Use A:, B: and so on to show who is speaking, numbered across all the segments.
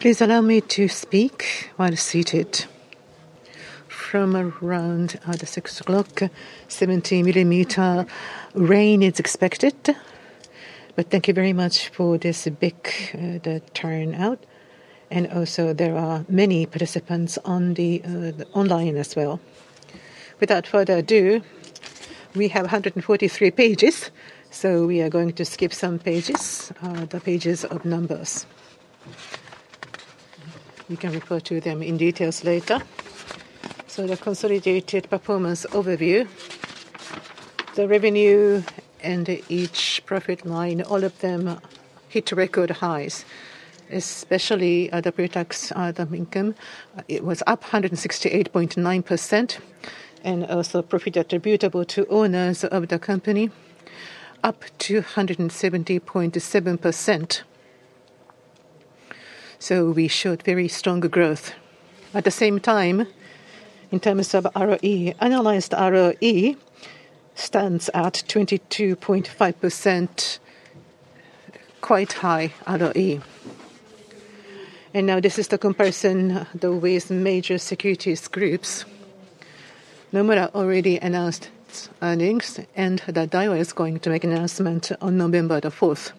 A: Please allow me to speak while seated. From around 6 o'clock, 70 mm rain is expected, but thank you very much for this big turnout, and also there are many participants online as well. Without further ado, we have 143 pages, so we are going to skip some pages, the pages of numbers. You can refer to them in detail later. So the consolidated performance overview, the revenue and each profit line, all of them hit record highs, especially the pretax income. It was up 168.9%, and also profit attributable to owners of the company, up to 170.7%. So we showed very strong growth. At the same time, in terms of ROE, annualized ROE stands at 22.5%, quite high ROE. And now this is the comparison with major securities groups. Nomura already announced its earnings, and the Daiwa is going to make an announcement on November the 4th.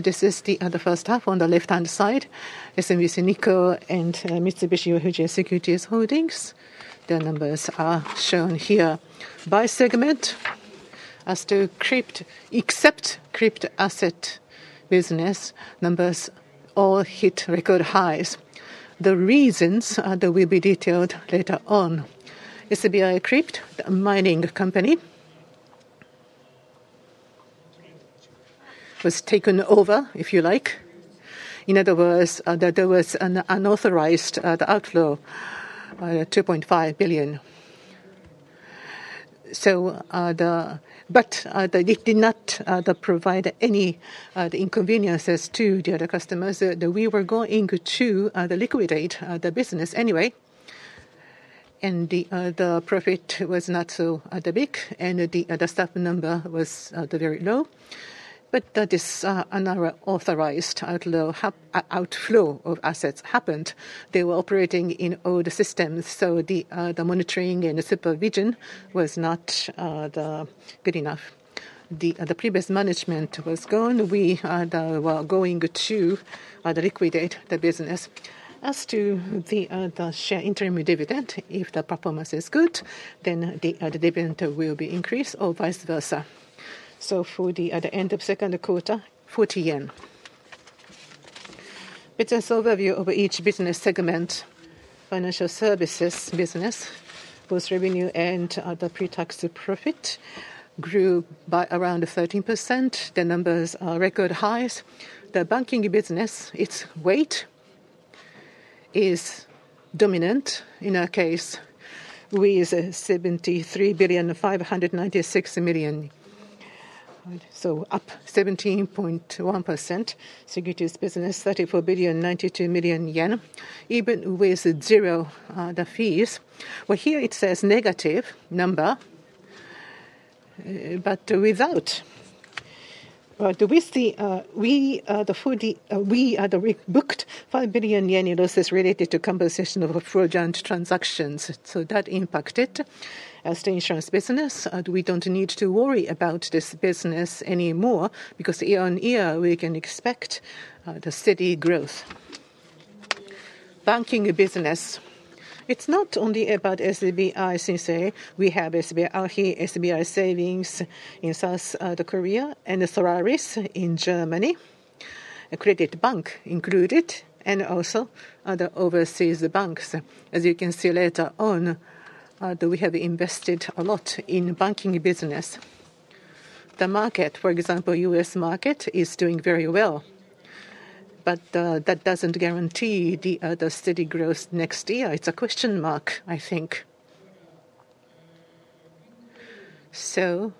A: This is the first half on the left-hand side, SMBC Nikko and Mitsubishi UFJ Securities Holdings. Their numbers are shown here by segment. As to crypto, except Crypto-asset Business, numbers all hit record highs. The reasons will be detailed later on. SBI Crypto, the mining company, was taken over, if you like. In other words, there was an unauthorized outflow of 2.5 billion. It did not provide any inconveniences to the other customers. We were going to liquidate the business anyway, and the profit was not so big, and the staff number was very low. This unauthorized outflow of assets happened. They were operating in old systems, so the monitoring and the supervision was not good enough. The previous management was gone. We were going to liquidate the business. As to the share interim dividend, if the performance is good, then the dividend will be increased or vice versa. So for the end of second quarter, 40 yen. It's an overview of each business segment. Financial Services business, both revenue and the pretax profit, grew by around 13%. The numbers are record highs. The Banking business, its weight, is dominant, in our case, with 73 billion 596 million. So up 17.1%. Securities business, 34 billion 92 million, even with zero fees. Well, here it says negative number, but without. But we see the booked 5 billion yen losses related to compensation of fraudulent transactions. So that impacted the Insurance business. We don't need to worry about this business anymore because year on year, we can expect steady growth. Banking business. It's not only about SBI, since we have SBI ARUHI, SBI SAVINGS in South Korea, and Solaris in Germany, a credit bank included, and also the overseas banks. As you can see later on, we have invested a lot in Banking business. The market, for example, U.S. market, is doing very well. But that doesn't guarantee the steady growth next year. It's a question mark, I think. So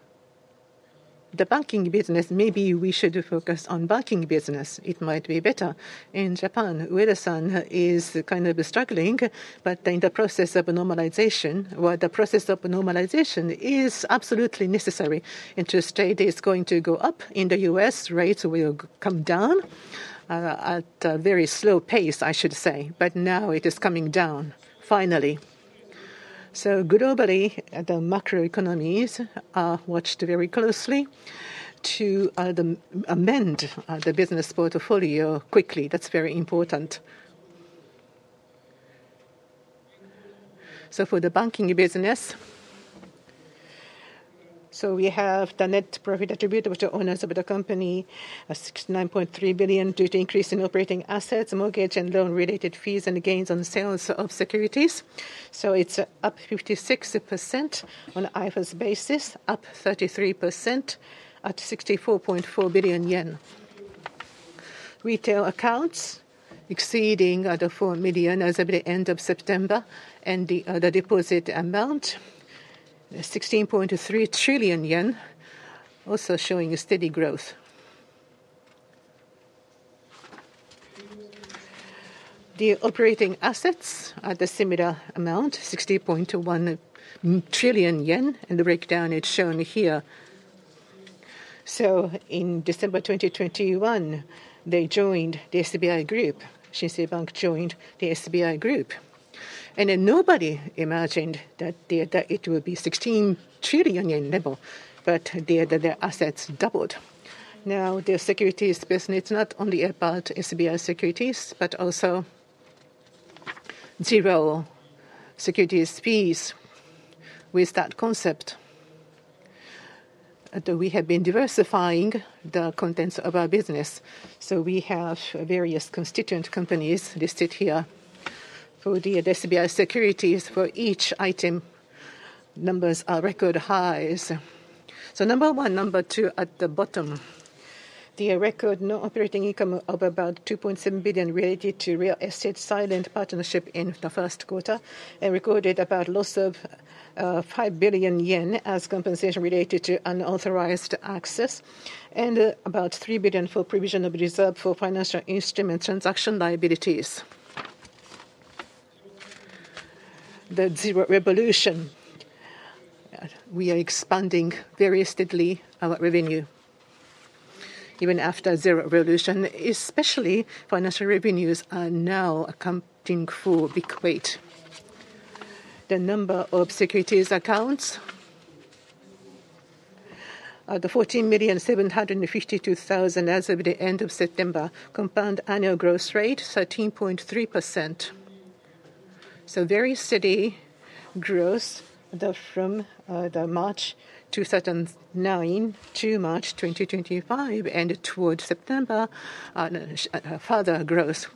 A: the Banking business, maybe we should focus on Banking business. It might be better. In Japan, Ueda-san is kind of struggling, but in the process of normalization, while the process of normalization is absolutely necessary, interest rate is going to go up. In the U.S., rates will come down at a very slow pace, I should say. But now it is coming down, finally. So globally, the macroeconomies are watched very closely to amend the business portfolio quickly. That's very important. For the Banking business, we have the net profit attributable to owners of the company, 69.3 billion due to increase in operating assets, mortgage and loan-related fees, and gains on sales of securities. It's up 56% on an IFRS basis, up 33% at 64.4 billion yen. Retail Accounts exceeding 4 million as of the end of September, and the deposit amount, 16.3 trillion yen, also showing steady growth. The operating assets are the similar amount, 60.1 trillion yen, and the breakdown is shown here. In December 2021, they joined the SBI Group. Shinsei Bank joined the SBI Group. Nobody imagined that it would be 16 trillion yen level, but their assets doubled. Now, the Securities business, it's not only about SBI Securities, but also zero securities fees with that concept. We have been diversifying the contents of our business. We have various constituent companies listed here. For the SBI Securities, for each item, numbers are record highs. Number one, number two at the bottom, the record non-operating income of about 2.7 billion related to real estate silent partnership in the first quarter, and recorded about loss of 5 billion yen as compensation related to unauthorized access, and about 3 billion for provision of reserve for financial instrument transaction liabilities. The Zero Revolution. We are expanding very steadily our revenue, even after Zero Revolution, especially financial revenues are now accounting for big weight. The number of Securities Accounts, the 14,752,000 as of the end of September, compound annual growth rate, 13.3%. Very steady growth from March 2009 to March 2025, and towards September, further growth.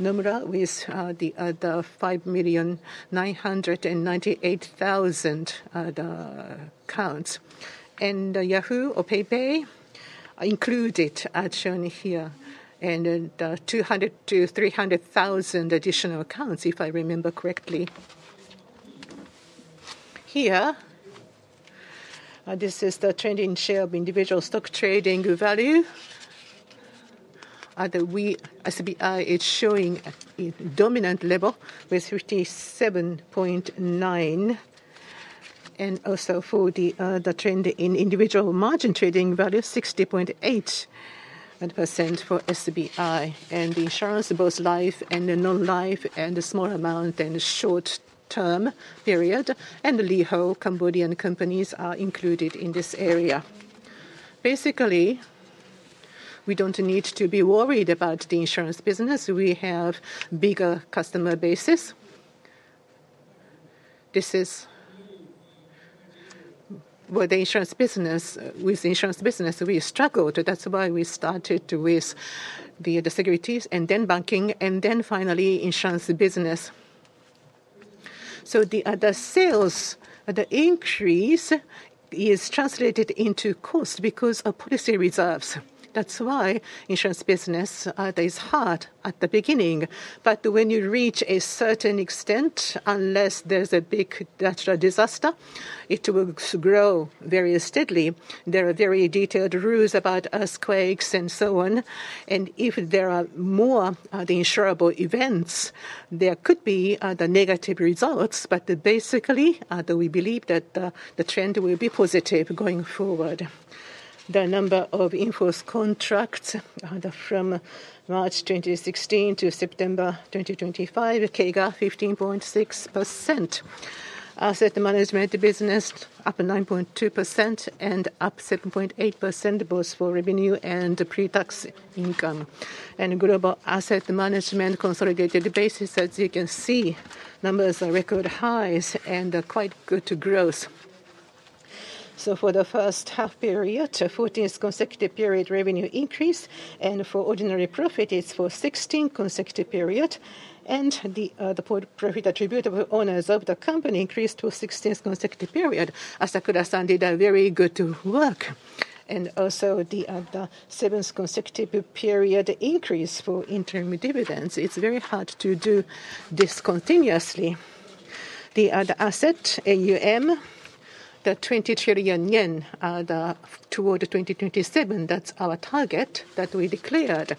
A: Nomura with the 5,998,000 accounts, and Yahoo or PayPay included as shown here, and 200,000-300,000 additional accounts, if I remember correctly. Here, this is the trend in share of individual stock trading value. SBI is showing a dominant level with 57.9%, and also for the trend in individual margin trading value, 60.8% for SBI, and the Insurance, both life and non-life, and a small amount and short-term period, and Ly Hour Cambodian companies are included in this area. Basically, we don't need to be worried about the Insurance business. We have a bigger customer base. This is where the Insurance business, we struggled. That's why we started with the Securities, and then Banking, and then finally Insurance business. So the sales, the increase is translated into cost because of policy reserves. That's why Insurance business is hard at the beginning. But when you reach a certain extent, unless there's a big natural disaster, it will grow very steadily. There are very detailed rules about earthquakes and so on. If there are more insurable events, there could be negative results, but basically, we believe that the trend will be positive going forward. The number of invoice contracts from March 2016 to September 2025, CAGR 15.6%. Asset Management business, up 9.2% and up 7.8%, both for revenue and pretax income. Global Asset Management consolidated basis, as you can see, numbers are record highs and quite good growth. For the first half period, 14th consecutive period revenue increase, and for ordinary profit, it's for 16th consecutive period. The profit attributable owners of the company increased to 16th consecutive period. Asakura-san did very good work. Also the 7th consecutive period increase for interim dividends. It's very hard to do this continuously. The other asset, AUM, the 20 trillion yen toward 2027, that's our target that we declared.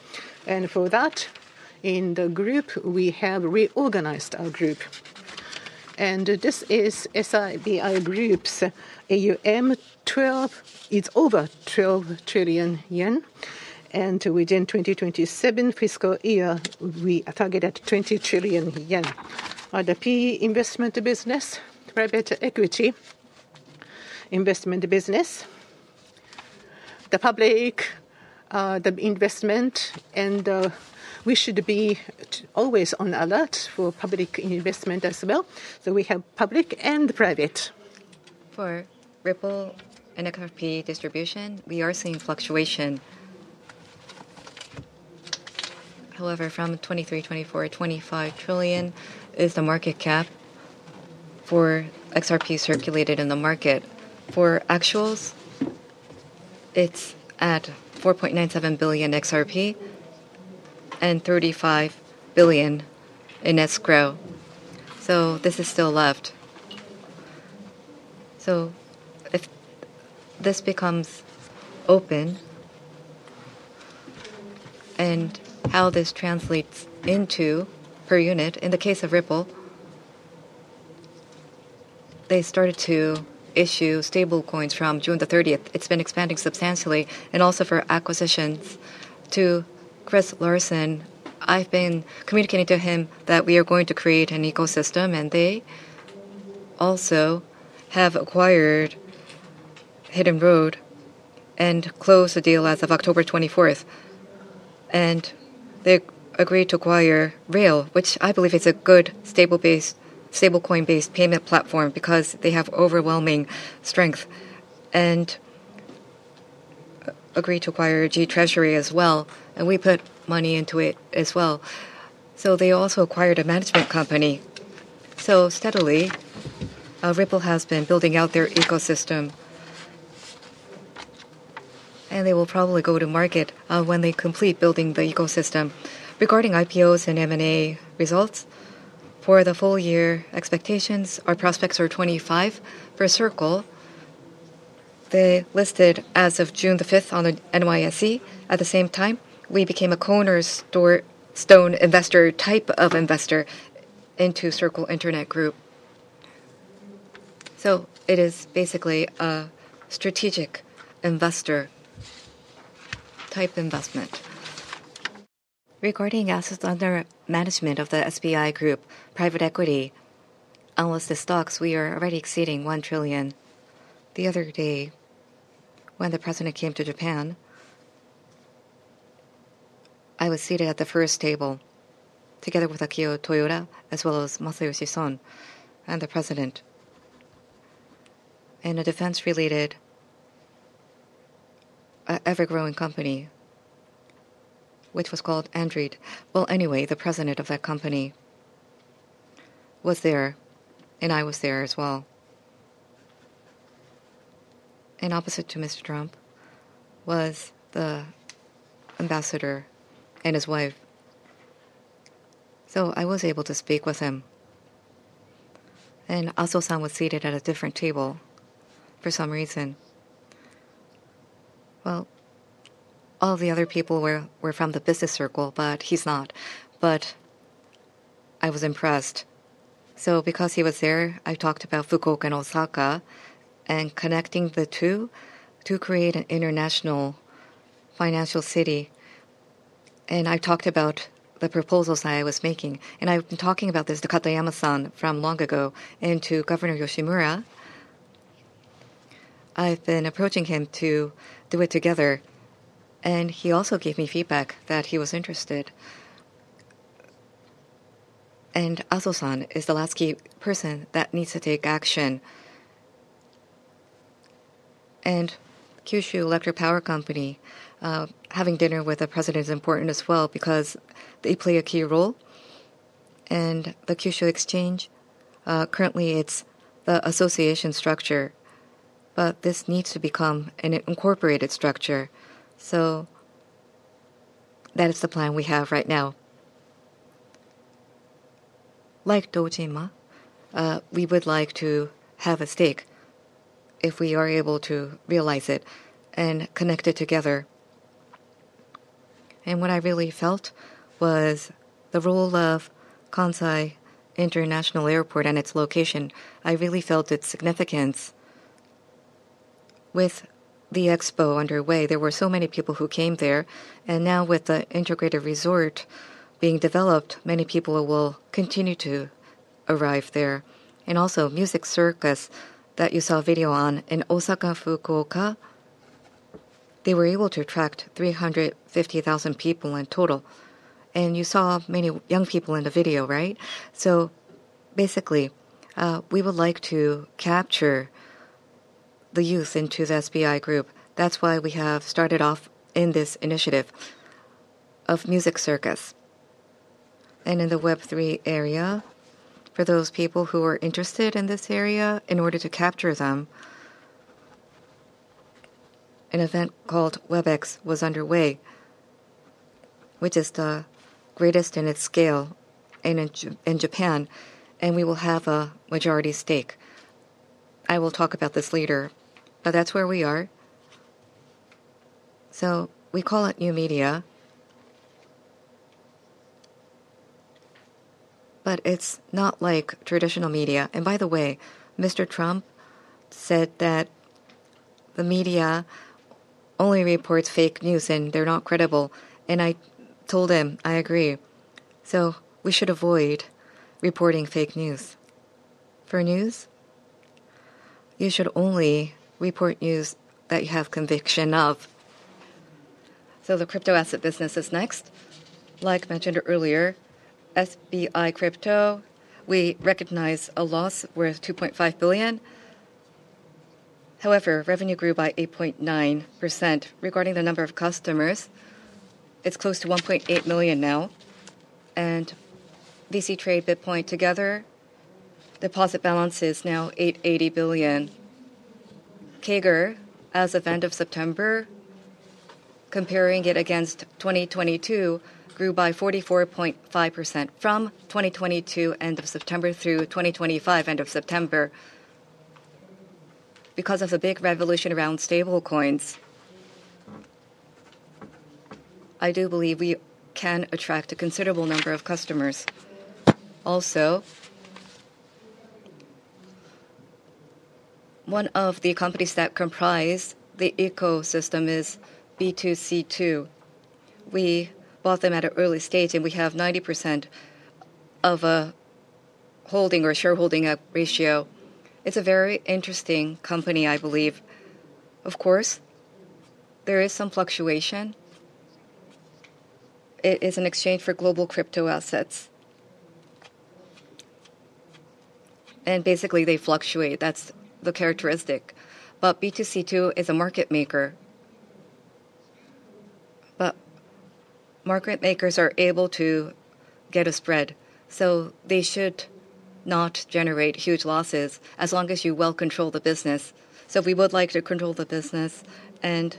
A: For that, in the group, we have reorganized our group. This is SBI Group's AUM; it's over 12 trillion yen. Within the 2027 fiscal year, we targeted 20 trillion yen. The PE Investment Business, Private Equity Investment Business, the Public, the Investment, and we should be always on alert for Public Investment as well. We have Public and Private. For Ripple and XRP distribution, we are seeing fluctuation. However, from 2023, 2024, 2025 trillion is the market cap for XRP circulated in the market. For actuals, it's at 4.97 billion XRP and 35 billion in escrow. This is still left. If this becomes open and how this translates into per unit, in the case of Ripple, they started to issue stablecoins from June 30th. It's been expanding substantially, and also for acquisitions. To Chris Larsen, I've been communicating to him that we are going to create an ecosystem, and they also have acquired Hidden Road and closed the deal as of October 24th. And they agreed to acquire RLUSD, which I believe is a good stable-based, stablecoin-based payment platform because they have overwhelming strength. And agreed to acquire GTreasury as well, and we put money into it as well. So they also acquired a management company. So steadily, Ripple has been building out their ecosystem, and they will probably go to market when they complete building the ecosystem. Regarding IPOs and M&A results, for the full year expectations, our prospects are 25 for Circle. They listed as of June the 5th on the NYSE. At the same time, we became a cornerstone investor type of investor into Circle Internet Group. So it is basically a strategic investor type investment. Regarding assets under management of the SBI Group, private equity, analyst stocks, we are already exceeding 1 trillion. The other day, when the president came to Japan, I was seated at the first table together with Akio Toyoda, as well as Masayoshi Son and the President. And a defense-related ever-growing company, which was called Anduril. Well, anyway, the President of that company was there, and I was there as well. And opposite to Mr. Trump was the ambassador and his wife. So I was able to speak with him. And Aso-san was seated at a different table for some reason. Well, all the other people were from the business circle, but he's not. But I was impressed. So because he was there, I talked about Fukuoka and Osaka and connecting the two to create an international financial city. And I talked about the proposals I was making. I've been talking about this to Katayama-san from long ago and to Governor Yoshimura. I've been approaching him to do it together. He also gave me feedback that he was interested. Aso-san is the last key person that needs to take action. Kyushu Electric Power Company, having dinner with the President is important as well because they play a key role. The Kyushu Exchange, currently it's the association structure. But this needs to become an incorporated structure. That is the plan we have right now. Like Dojima, we would like to have a stake if we are able to realize it and connect it together. What I really felt was the role of Kansai International Airport and its location. I really felt its significance with the expo underway. There were so many people who came there. And now with the integrated resort being developed, many people will continue to arrive there. And also MUSIC CIRCUS that you saw a video on in Osaka, Fukuoka, they were able to attract 350,000 people in total. And you saw many young people in the video, right? So basically, we would like to capture the youth into the SBI Group. That's why we have started off in this initiative of MUSIC CIRCUS. And in the Web3 area, for those people who are interested in this area, in order to capture them, an event called WebX was underway, which is the greatest in its scale in Japan. And we will have a majority stake. I will talk about this later. But that's where we are. So we call it NEO MEDIA. But it's not like traditional media. And by the way, Mr. Trump said that the media only reports fake news and they're not credible, and I told him, I agree, so we should avoid reporting fake news. For news, you should only report news that you have conviction of, so the Crypto-asset Business is next. Like mentioned earlier, SBI Crypto, we recognize a loss worth 2.5 billion. However, revenue grew by 8.9%. Regarding the number of customers, it's close to 1.8 million now, and VC Trade Bitcoin together, deposit balance is now 880 billion. CAGR, as of end of September, comparing it against 2022, grew by 44.5% from 2022 end of September through 2025 end of September. Because of the big revolution around stablecoins, I do believe we can attract a considerable number of customers. Also, one of the companies that comprise the ecosystem is B2C2. We bought them at an early stage and we have 90% of a holding or shareholding ratio. It's a very interesting company, I believe. Of course, there is some fluctuation. It is an exchange for global Crypto-assets. Basically, they fluctuate. That's the characteristic. B2C2 is a market maker. Market makers are able to get a spread. So they should not generate huge losses as long as you well control the business. We would like to control the business. It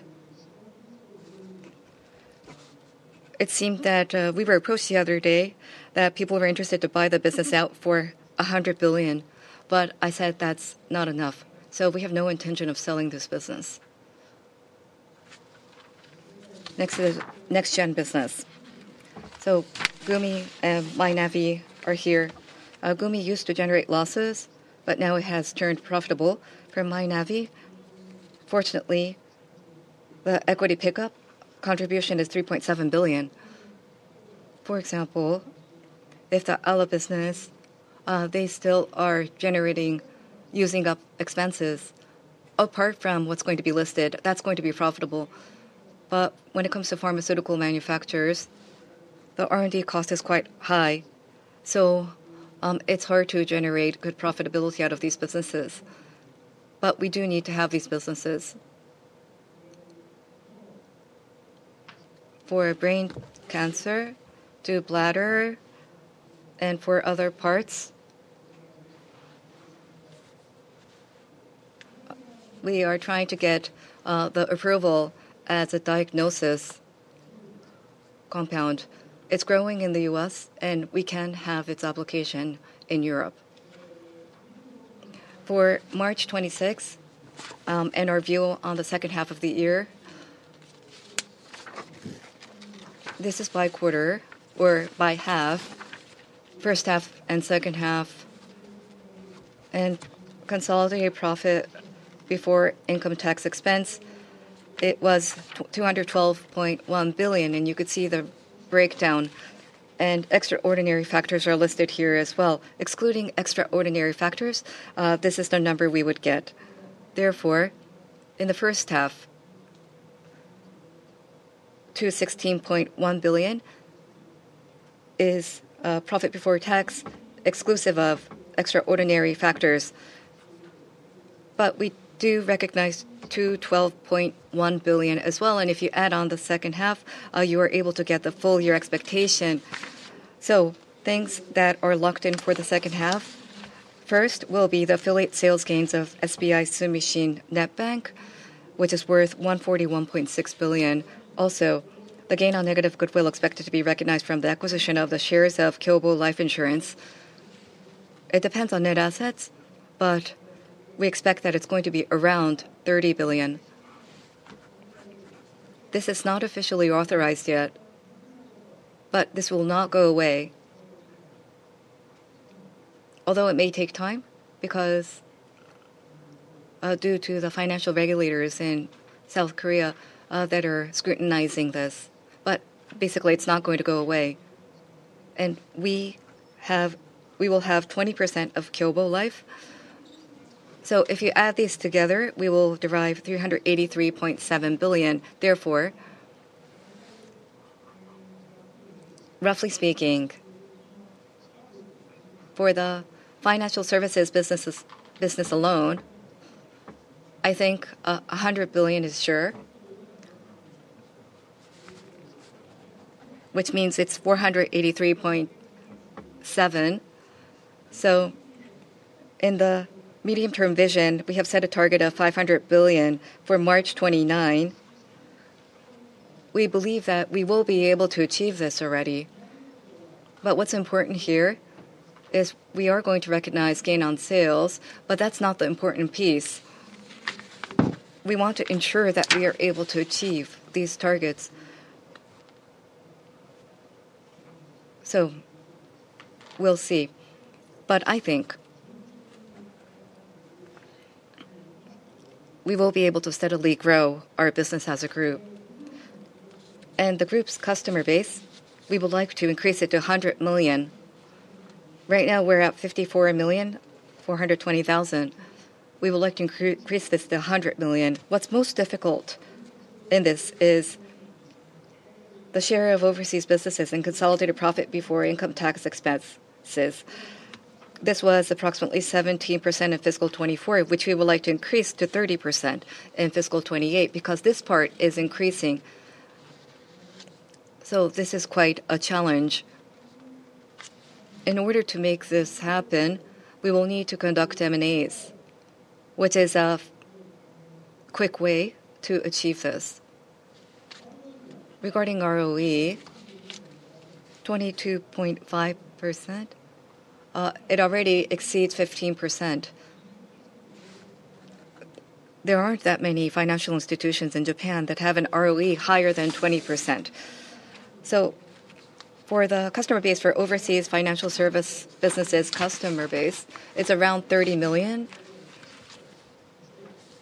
A: seemed that we were approached the other day that people were interested to buy the business out for 100 billion. I said that's not enough. We have no intention of selling this business. Next Gen business. gumi and Mynavi are here. gumi used to generate losses, but now it has turned profitable for Mynavi. Fortunately, the equity pickup contribution is 3.7 billion. For example, if the other business, they still are generating using up expenses apart from what's going to be listed, that's going to be profitable. But when it comes to pharmaceutical manufacturers, the R&D cost is quite high. So it's hard to generate good profitability out of these businesses. But we do need to have these businesses. For brain cancer, to bladder, and for other parts, we are trying to get the approval as a diagnosis compound. It's growing in the U.S., and we can have its application in Europe. For March 26th and our view on the second half of the year, this is by quarter or by half, first half and second half. Consolidated profit before income tax expense. It was 212.1 billion, and you could see the breakdown. And extraordinary factors are listed here as well. Excluding extraordinary factors, this is the number we would get. Therefore, in the first half, JPY 216.1 billion is profit before tax exclusive of extraordinary factors, but we do recognize 212.1 billion as well, and if you add on the second half, you are able to get the full year expectation, so things that are locked in for the second half, first will be the affiliate sales gains of SBI Sumishin Net Bank, which is worth 141.6 billion. Also, the gain on negative goodwill expected to be recognized from the acquisition of the shares of Kyobo Life Insurance. It depends on net assets, but we expect that it's going to be around 30 billion. This is not officially authorized yet, but this will not go away. Although it may take time because due to the financial regulators in South Korea that are scrutinizing this, but basically, it's not going to go away, and we will have 20% of Kyobo Life. If you add these together, we will derive 383.7 billion. Therefore, roughly speaking, for the Financial Services business alone, I think 100 billion is sure, which means it's 483.7 billion. In the medium-term vision, we have set a target of 500 billion for March 2029. We believe that we will be able to achieve this already. What's important here is we are going to recognize gain on sales, but that's not the important piece. We want to ensure that we are able to achieve these targets. We'll see. I think we will be able to steadily grow our business as a group. The group's customer base, we would like to increase it to 100 million. Right now, we're at 54,420,000. We would like to increase this to 100 million. What's most difficult in this is the share of overseas businesses and consolidated profit before income tax expenses. This was approximately 17% in fiscal 2024, which we would like to increase to 30% in fiscal 2028 because this part is increasing. So this is quite a challenge. In order to make this happen, we will need to conduct M&As, which is a quick way to achieve this. Regarding ROE, 22.5%, it already exceeds 15%. There aren't that many financial institutions in Japan that have an ROE higher than 20%. So for the customer base for overseas Financial Service businesses, customer base, it's around 30 million.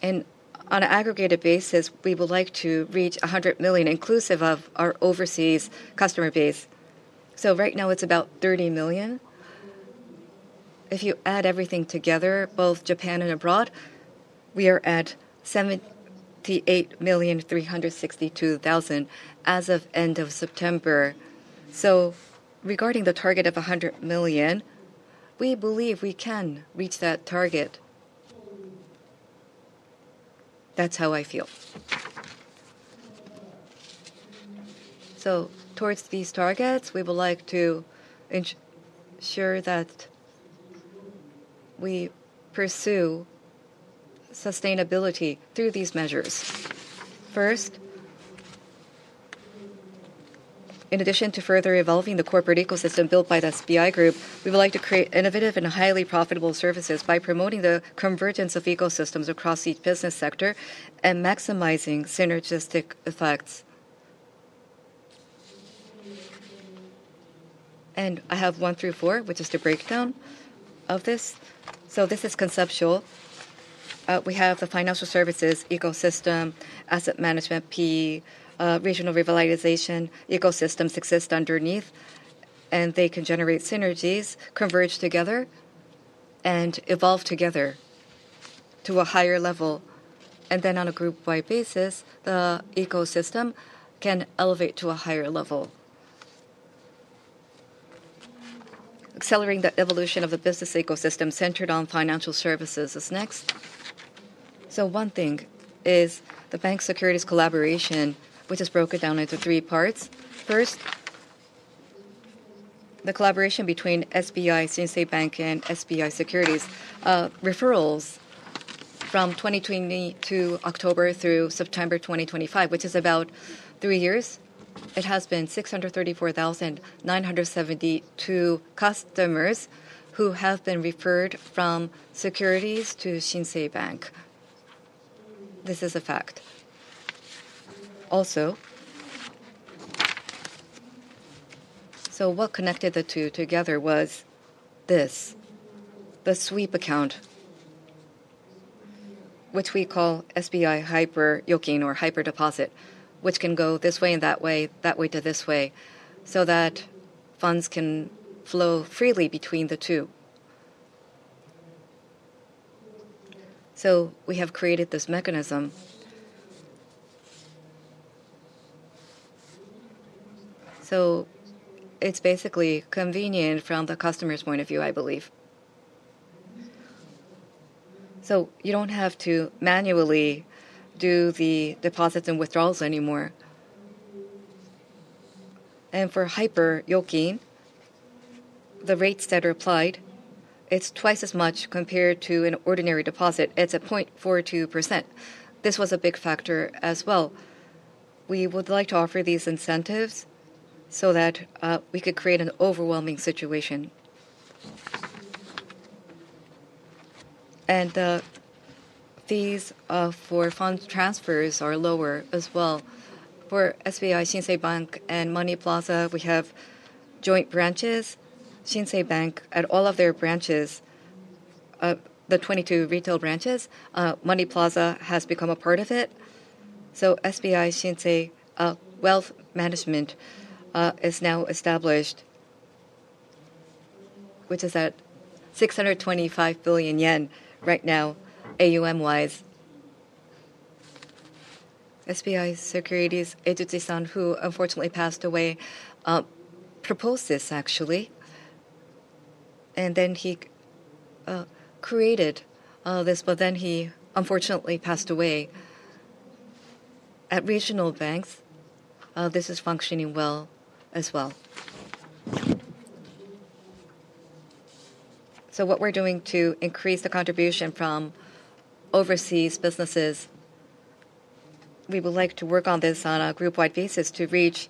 A: And on an aggregated basis, we would like to reach 100 million inclusive of our overseas customer base. So right now, it's about 30 million. If you add everything together, both Japan and abroad, we are at 78,362,000 as of end of September. So regarding the target of 100 million, we believe we can reach that target. That's how I feel. So towards these targets, we would like to ensure that we pursue sustainability through these measures. First, in addition to further evolving the corporate ecosystem built by the SBI Group, we would like to create innovative and highly profitable services by promoting the convergence of ecosystems across each business sector and maximizing synergistic effects. And I have one through four, which is the breakdown of this. So this is conceptual. We have the Financial Services Ecosystem, Asset Management, PE, Regional Revitalization Ecosystems exist underneath, and they can generate synergies, converge together, and evolve together to a higher level. And then on a group-wide basis, the ecosystem can elevate to a higher level. Accelerating the evolution of the business ecosystem centered on Financial Services is next. One thing is the bank securities collaboration, which is broken down into three parts. First, the collaboration between SBI Shinsei Bank and SBI SECURITIES. Referrals from October 2022 through September 2025, which is about three years, it has been 634,972 customers who have been referred from SECURITIES to Shinsei Bank. This is a fact. Also, so what connected the two together was this, the Sweep Account, which we call SBI Hyper Yokin or Hyper Deposit, which can go this way and that way, that way to this way, so that funds can flow freely between the two. So we have created this mechanism. So it's basically convenient from the customer's point of view, I believe. So you don't have to manually do the deposits and withdrawals anymore. And for Hyper Yokin, the rates that are applied, it's twice as much compared to an ordinary deposit. It's at 0.42%. This was a big factor as well. We would like to offer these incentives so that we could create an overwhelming situation, and the fees for fund transfers are lower as well. For SBI Shinsei Bank and MONEY PLAZA, we have joint branches. Shinsei Bank, at all of their branches, the 22 retail branches, MONEY PLAZA has become a part of it, so SBI Shinsei Wealth Management is now established, which is at 625 billion yen right now, AUM-wise. SBI SECURITIES, Izutsu-san, who unfortunately passed away, proposed this actually, and then he created this, but then he unfortunately passed away. At regional banks, this is functioning well as well, so what we're doing to increase the contribution from Overseas businesses, we would like to work on this on a group-wide basis to reach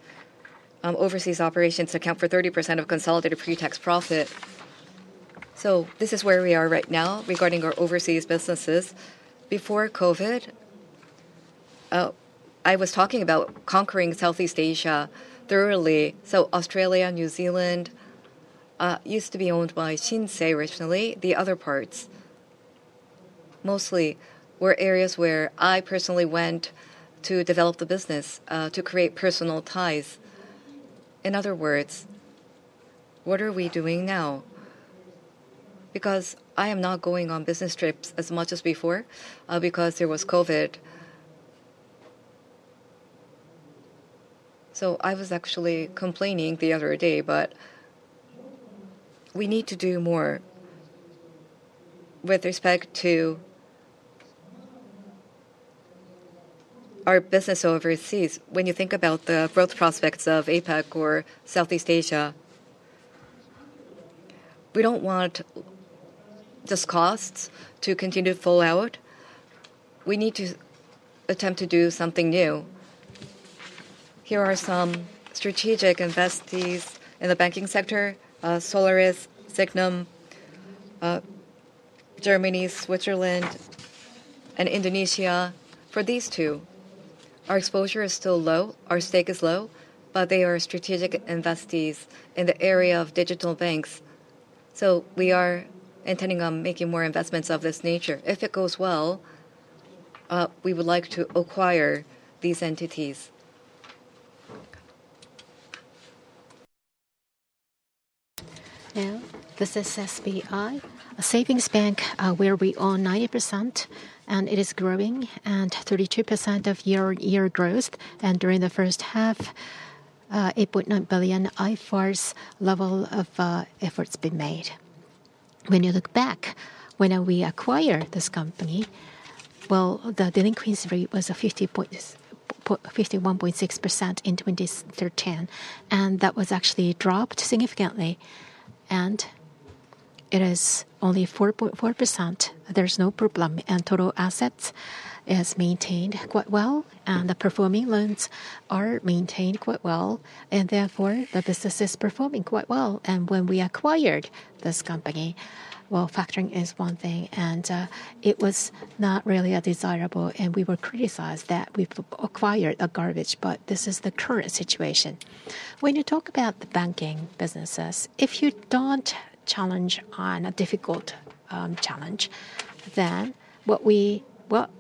A: overseas operations to account for 30% of consolidated pre-tax profit. So this is where we are right now regarding our Overseas businesses. Before COVID, I was talking about conquering Southeast Asia thoroughly. So Australia, New Zealand used to be owned by Shinsei originally. The other parts mostly were areas where I personally went to develop the business, to create personal ties. In other words, what are we doing now? Because I am not going on business trips as much as before because there was COVID. So I was actually complaining the other day, but we need to do more with respect to our business overseas. When you think about the growth prospects of APAC or Southeast Asia, we don't want just costs to continue to fall out. We need to attempt to do something new. Here are some strategic investees in the banking sector: Solaris, Sygnum, Germany, Switzerland, and Indonesia. For these two, our exposure is still low. Our stake is low, but they are strategic investees in the area of digital banks. So we are intending on making more investments of this nature. If it goes well, we would like to acquire these entities. Now, this is SBI SAVINGS Bank where we own 90%, and it is growing at 32% year-on-year growth. And during the first half, 8.9 billion IFRS level of profits been made. When you look back, when we acquired this company, well, the delinquency rate was 51.6% in 2013, and that was actually dropped significantly. And it is only 4.4%. There's no problem. And total assets is maintained quite well, and the performing loans are maintained quite well. And therefore, the business is performing quite well. And when we acquired this company, well, factoring is one thing, and it was not really desirable, and we were criticized that we acquired garbage. This is the current situation. When you talk about the Banking businesses, if you don't challenge on a difficult challenge, then what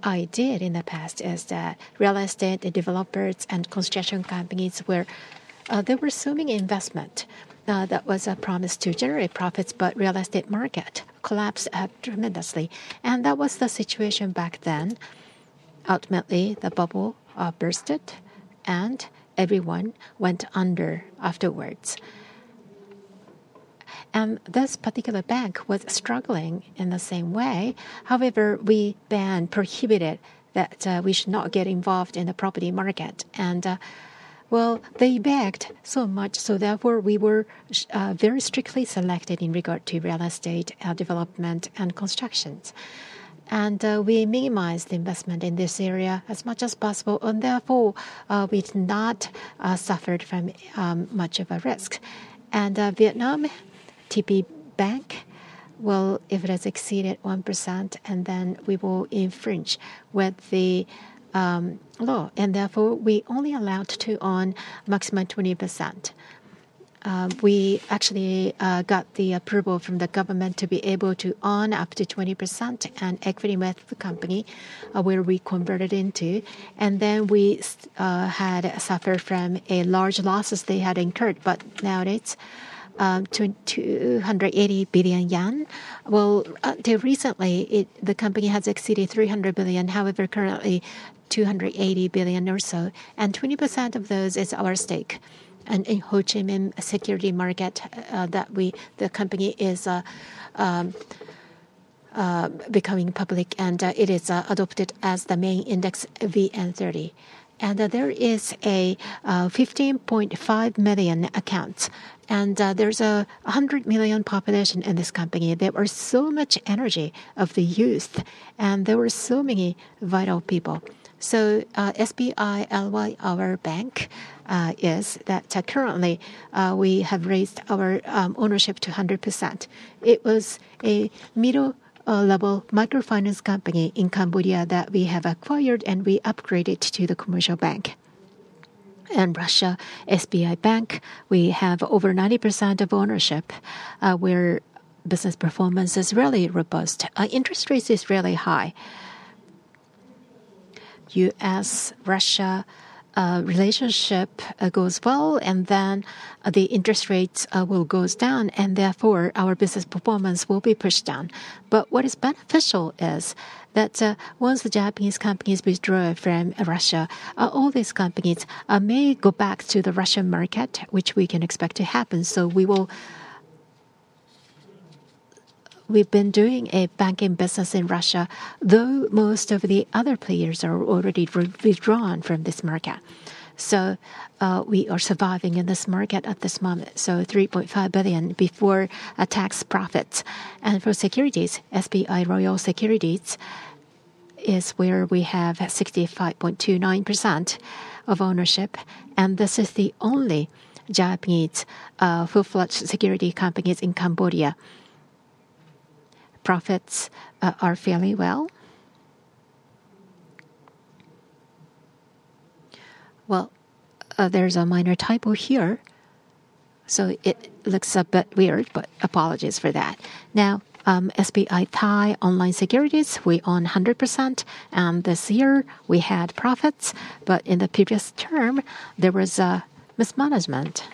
A: I did in the past is that real estate and developers and construction companies, they were assuming investment that was a promise to generate profits, but real estate market collapsed tremendously. And that was the situation back then. Ultimately, the bubble burst, and everyone went under afterwards. And this particular bank was struggling in the same way. However, we banned, prohibited that we should not get involved in the property market. And well, they begged so much. So therefore, we were very strictly selected in regard to real estate development and constructions. And we minimized the investment in this area as much as possible. And therefore, we did not suffer from much of a risk. And Vietnam TPBank, well, if it has exceeded 1%, and then we will infringe with the law. And therefore, we only allowed to own maximum 20%. We actually got the approval from the government to be able to own up to 20% and equity with the company where we converted into. And then we had suffered from a large losses they had incurred, but now it's 280 billion yen. Well, until recently, the company has exceeded 300 billion. However, currently, 280 billion or so. And 20% of those is our stake. And in Ho Chi Minh securities market, the company is becoming public, and it is adopted as the main index VN30. And there is a 15.5 million accounts, and there's a 100 million population in this company. There was so much energy of the youth, and there were so many vital people. SBI Ly Hour Bank, our bank, is that currently we have raised our ownership to 100%. It was a middle-level microfinance company in Cambodia that we have acquired, and we upgraded to the commercial bank. In Russia, SBI Bank, we have over 90% of ownership where business performance is really robust. Interest rate is really high. U.S.-Russia relationship goes well, and then the interest rate will go down, and therefore, our business performance will be pushed down, but what is beneficial is that once the Japanese companies withdraw from Russia, all these companies may go back to the Russian market, which we can expect to happen. So we will, we've been doing a banking business in Russia, though most of the other players are already withdrawn from this market. So we are surviving in this market at this moment. So 3.5 billion before tax profits. For securities, SBI Royal Securities is where we have 65.29% of ownership. This is the only Japanese full-fledged security company in Cambodia. Profits are fairly well. There's a minor typo here, so it looks a bit weird, but apologies for that. Now, SBI Thai Online Securities, we own 100%. This year, we had profits, but in the previous term, there was a mismanagement.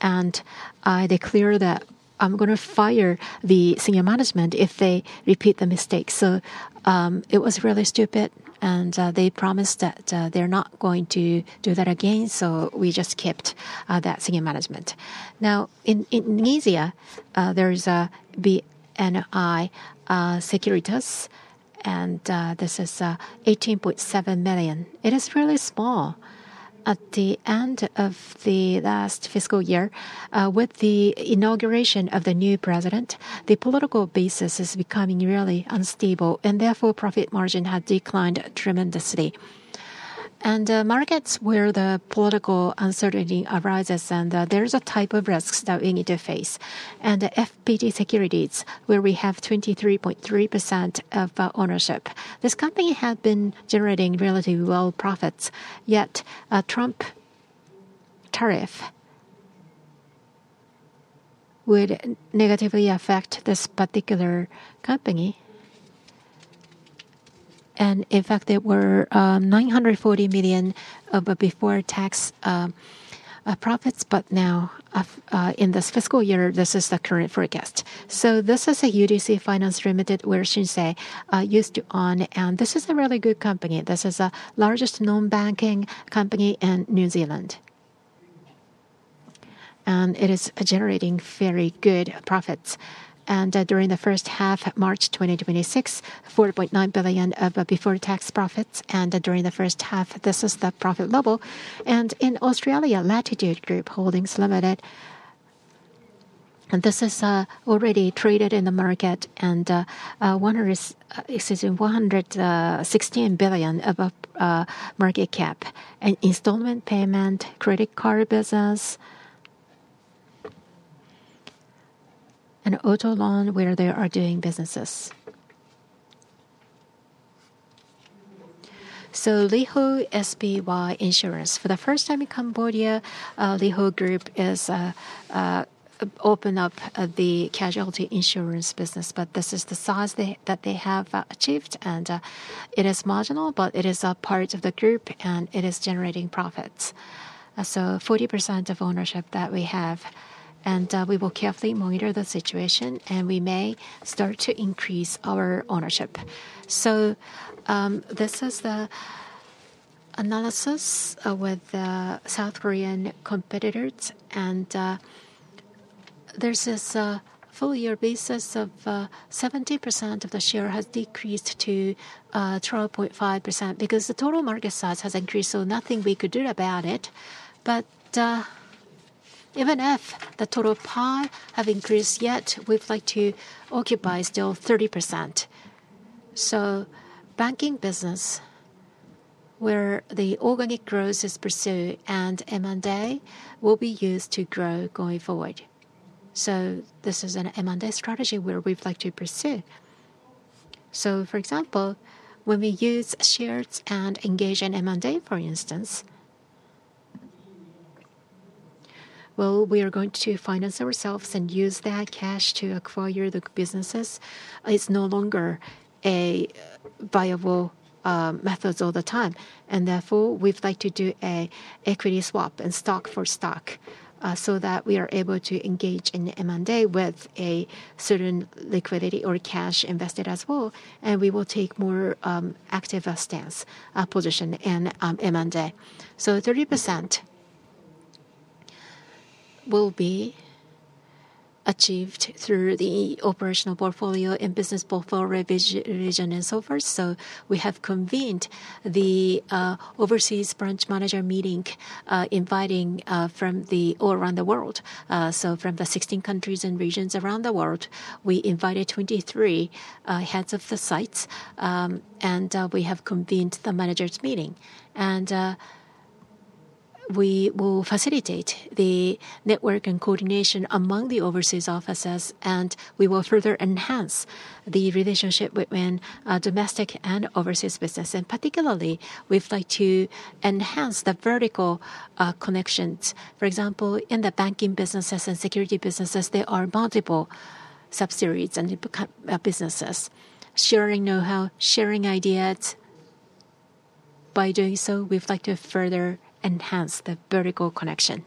A: I declare that I'm going to fire the senior management if they repeat the mistake. It was really stupid, and they promised that they're not going to do that again. We just kept that senior management. Now, in Indonesia, there is BNI Securities, and this is 18.7 million. It is really small. At the end of the last fiscal year, with the inauguration of the new president, the political basis is becoming really unstable, and therefore, profit margin has declined tremendously. And markets where the political uncertainty arises, and there's a type of risks that we need to face. And FPT Securities, where we have 23.3% of ownership. This company had been generating relatively well profits, yet a Trump tariff would negatively affect this particular company. And in fact, there were 940 million before tax profits, but now in this fiscal year, this is the current forecast. So this is a UDC Finance Ltd, where Shinsei used to own, and this is a really good company. This is the largest known banking company in New Zealand. And it is generating very good profits. And during the first half of March 2026, JPY 4.9 billion of before tax profits. During the first half, this is the profit level. In Australia, Latitude Group Holdings Ltd is already traded in the market and exceeding 116 billion of market cap. Installment Payment, Ccredit Card business, and Auto Loan where they are doing businesses. Ly Hour SBI Insurance, for the first time in Cambodia, Ly Hour Group has opened up the Casualty Insurance Business, but this is the size that they have achieved. It is marginal, but it is a part of the group, and it is generating profits. We have 40% of ownership, and we will carefully monitor the situation, and we may start to increase our ownership. This is the analysis with South Korean competitors, and on this full year basis, the 70% of the share has decreased to 12.5% because the total market size has increased, so nothing we could do about it. But even if the total pie have increased, yet we'd like to occupy still 30%. So Banking business, where the organic growth is pursued, and M&A will be used to grow going forward. So this is an M&A strategy where we'd like to pursue. So for example, when we use shares and engage in M&A, for instance, well, we are going to finance ourselves and use that cash to acquire the businesses. It's no longer a viable method all the time. And therefore, we'd like to do an equity swap and stock for stock so that we are able to engage in M&A with a certain liquidity or cash invested as well. And we will take more active stance position in M&A. So 30% will be achieved through the operational portfolio and business portfolio revision and so forth. We have convened the overseas branch manager meeting inviting from all around the world. From the 16 countries and regions around the world, we invited 23 heads of the sites, and we have convened the managers' meeting. We will facilitate the network and coordination among the overseas offices, and we will further enhance the relationship between domestic and overseas business. Particularly, we'd like to enhance the vertical connections. For example, in the Banking businesses and Securities businesses, there are multiple subsidiaries and businesses sharing know-how, sharing ideas. By doing so, we'd like to further enhance the vertical connection.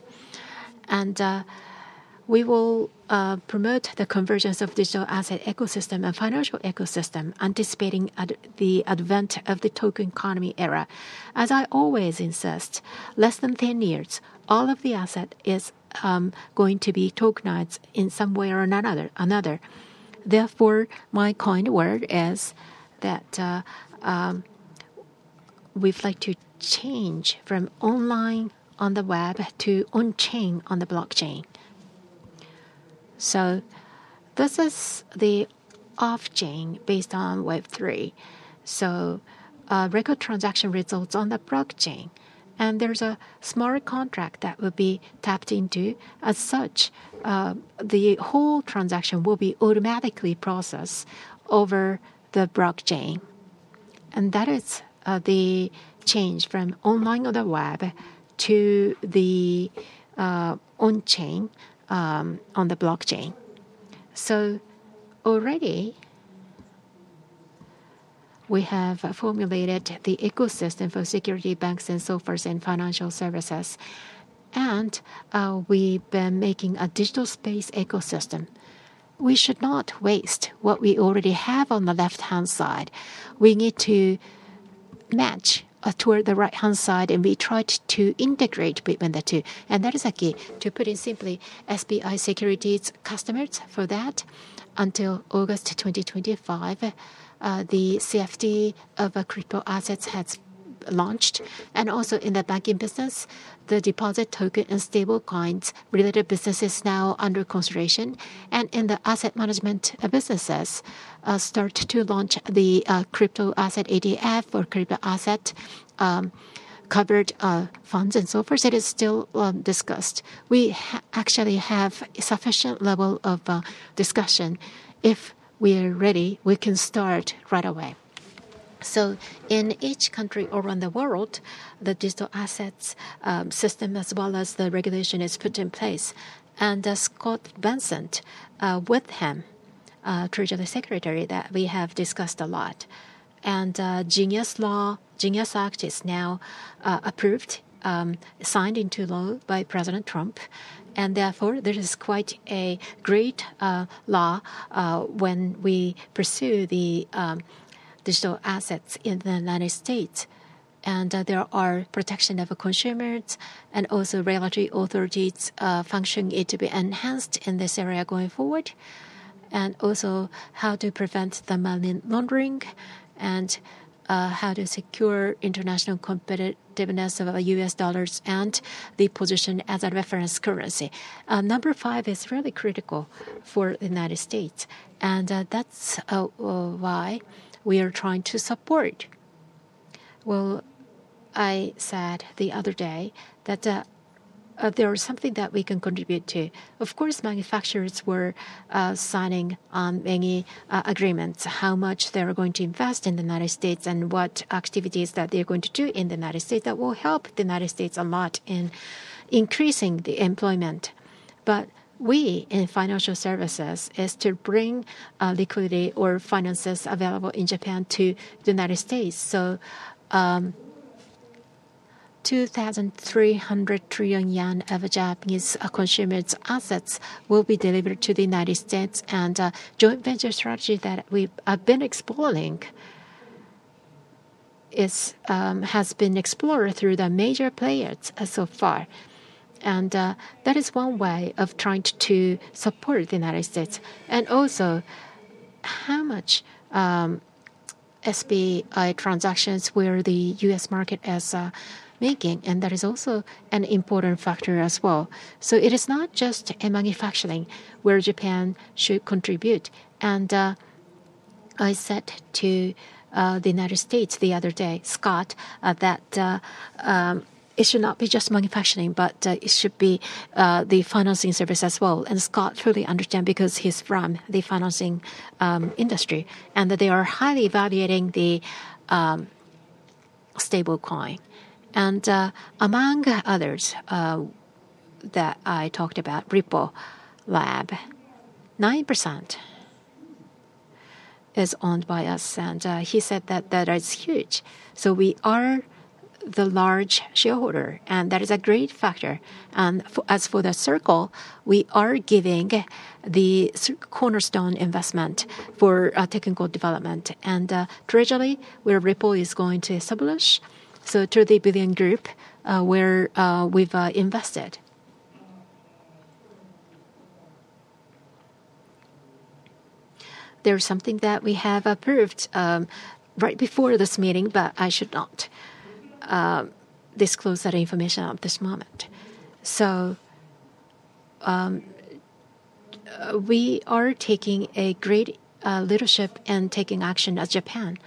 A: We will promote the convergence of digital asset ecosystem and financial ecosystem anticipating the advent of the token economy era. As I always insist, less than 10 years, all of the asset is going to be tokenized in some way or another. Therefore, my kind word is that we'd like to change from online on the web to on-chain on the blockchain. So this is the off-chain based on Web3. So record transaction results on the blockchain, and there's a smart contract that will be tapped into. As such, the whole transaction will be automatically processed over the blockchain. And that is the change from online on the web to the on-chain on the blockchain. So already, we have formulated the ecosystem for securities banks and so forth and Financial Services. And we've been making a digital space ecosystem. We should not waste what we already have on the left-hand side. We need to match toward the right-hand side, and we tried to integrate between the two. And that is a key. To put it simply, SBI SECURITIES customers for that. Until August 2025, the CFD of Crypto-assets has launched. Also, in the Banking business, the deposit token and stablecoins related business is now under consideration. In the Asset Management businesses, start to launch the Crypto-asset ETF or Crypto-asset covered funds and so forth. It is still discussed. We actually have a sufficient level of discussion. If we are ready, we can start right away. So in each country around the world, the digital assets system as well as the regulation is put in place. And Scott Bessent, with him, Treasury Secretary, that we have discussed a lot. And GENIUS Law, GENIUS Act is now approved, signed into law by President Trump. And therefore, there is quite a great law when we pursue the digital assets in the United States. And there are protection of consumers and also regulatory authorities function need to be enhanced in this area going forward. And also how to prevent the money laundering and how to secure international competitiveness of U.S. dollars and the position as a reference currency. Number five is really critical for the United States. And that's why we are trying to support. Well, I said the other day that there is something that we can contribute to. Of course, manufacturers were signing on many agreements, how much they're going to invest in the United States and what activities that they're going to do in the United States that will help the United States a lot in increasing the employment. But we in Financial Services is to bring liquidity or finances available in Japan to the United States. So 2,300 trillion yen of Japanese consumers' assets will be delivered to the United States. And joint venture strategy that we have been exploring has been explored through the major players so far. That is one way of trying to support the United States. And also how much SBI transactions where the U.S. market is making. And that is also an important factor as well. It is not just manufacturing where Japan should contribute. And I said to the United States the other day, Scott, that it should not be just manufacturing, but it should be the financing service as well. And Scott truly understands because he's from the financing industry and that they are highly evaluating the stablecoin. And among others that I talked about, Ripple Labs, 9% is owned by us. And he said that that is huge. We are the large shareholder, and that is a great factor. And as for Circle, we are giving the cornerstone investment for technical development. Gradually, where Ripple is going to establish, so to the BIM Group, where we've invested. There's something that we have approved right before this meeting, but I should not disclose that information at this moment. We are taking great leadership and taking action as Japan.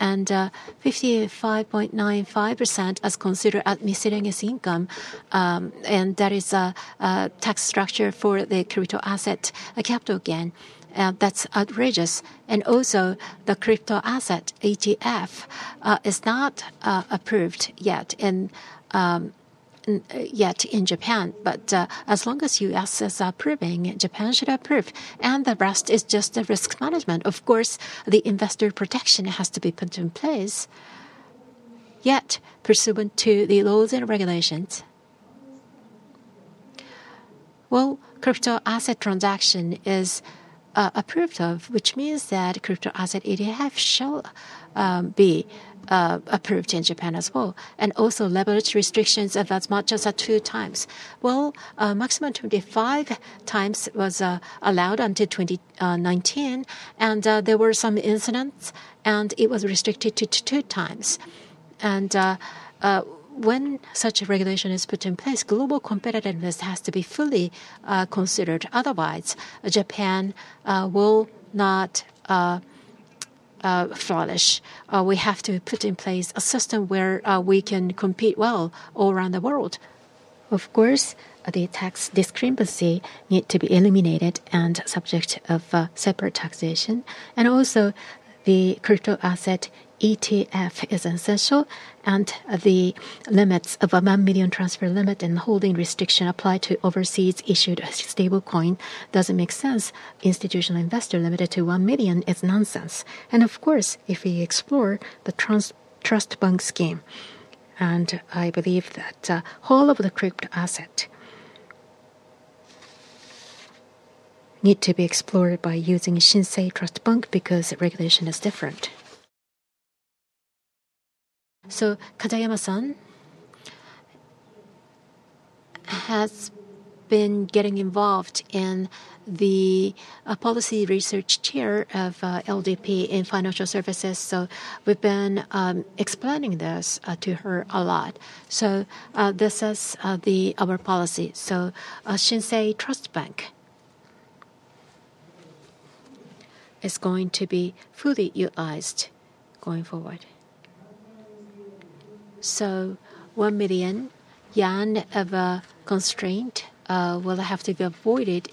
A: 55.95% is considered admissibility as income. That is a tax structure for the Crypto-asset capital gain. That's outrageous. The Crypto-asset ETF is not approved yet in Japan. As long as the U.S. is approving, Japan should approve. The rest is just the risk management. Of course, the investor protection has to be put in place. Yet pursuant to the laws and regulations, Crypto-asset transaction is approved of, which means that Crypto-asset ETF shall be approved in Japan as well. Also leverage restrictions of as much as two times. Maximum 25 times was allowed until 2019. There were some incidents, and it was restricted to two times. When such a regulation is put in place, global competitiveness has to be fully considered. Otherwise, Japan will not flourish. We have to put in place a system where we can compete well all around the world. Of course, the tax discrepancy needs to be eliminated and subject to separate taxation. Also, the Crypto-asset ETF is essential. The limits of a 1 million transfer limit and holding restriction applied to overseas issued stablecoin doesn't make sense. Institutional investor limited to 1 million is nonsense. Of course, if we explore the Trust Bank scheme, and I believe that all of the Crypto-asset need to be explored by using Shinsei Trust Bank because regulation is different. Katayama-san has been getting involved in the policy research chair of LDP in Financial Services. We've been explaining this to her a lot. This is our policy. Shinsei Trust Bank is going to be fully utilized going forward. JPY 1 million of a constraint will have to be avoided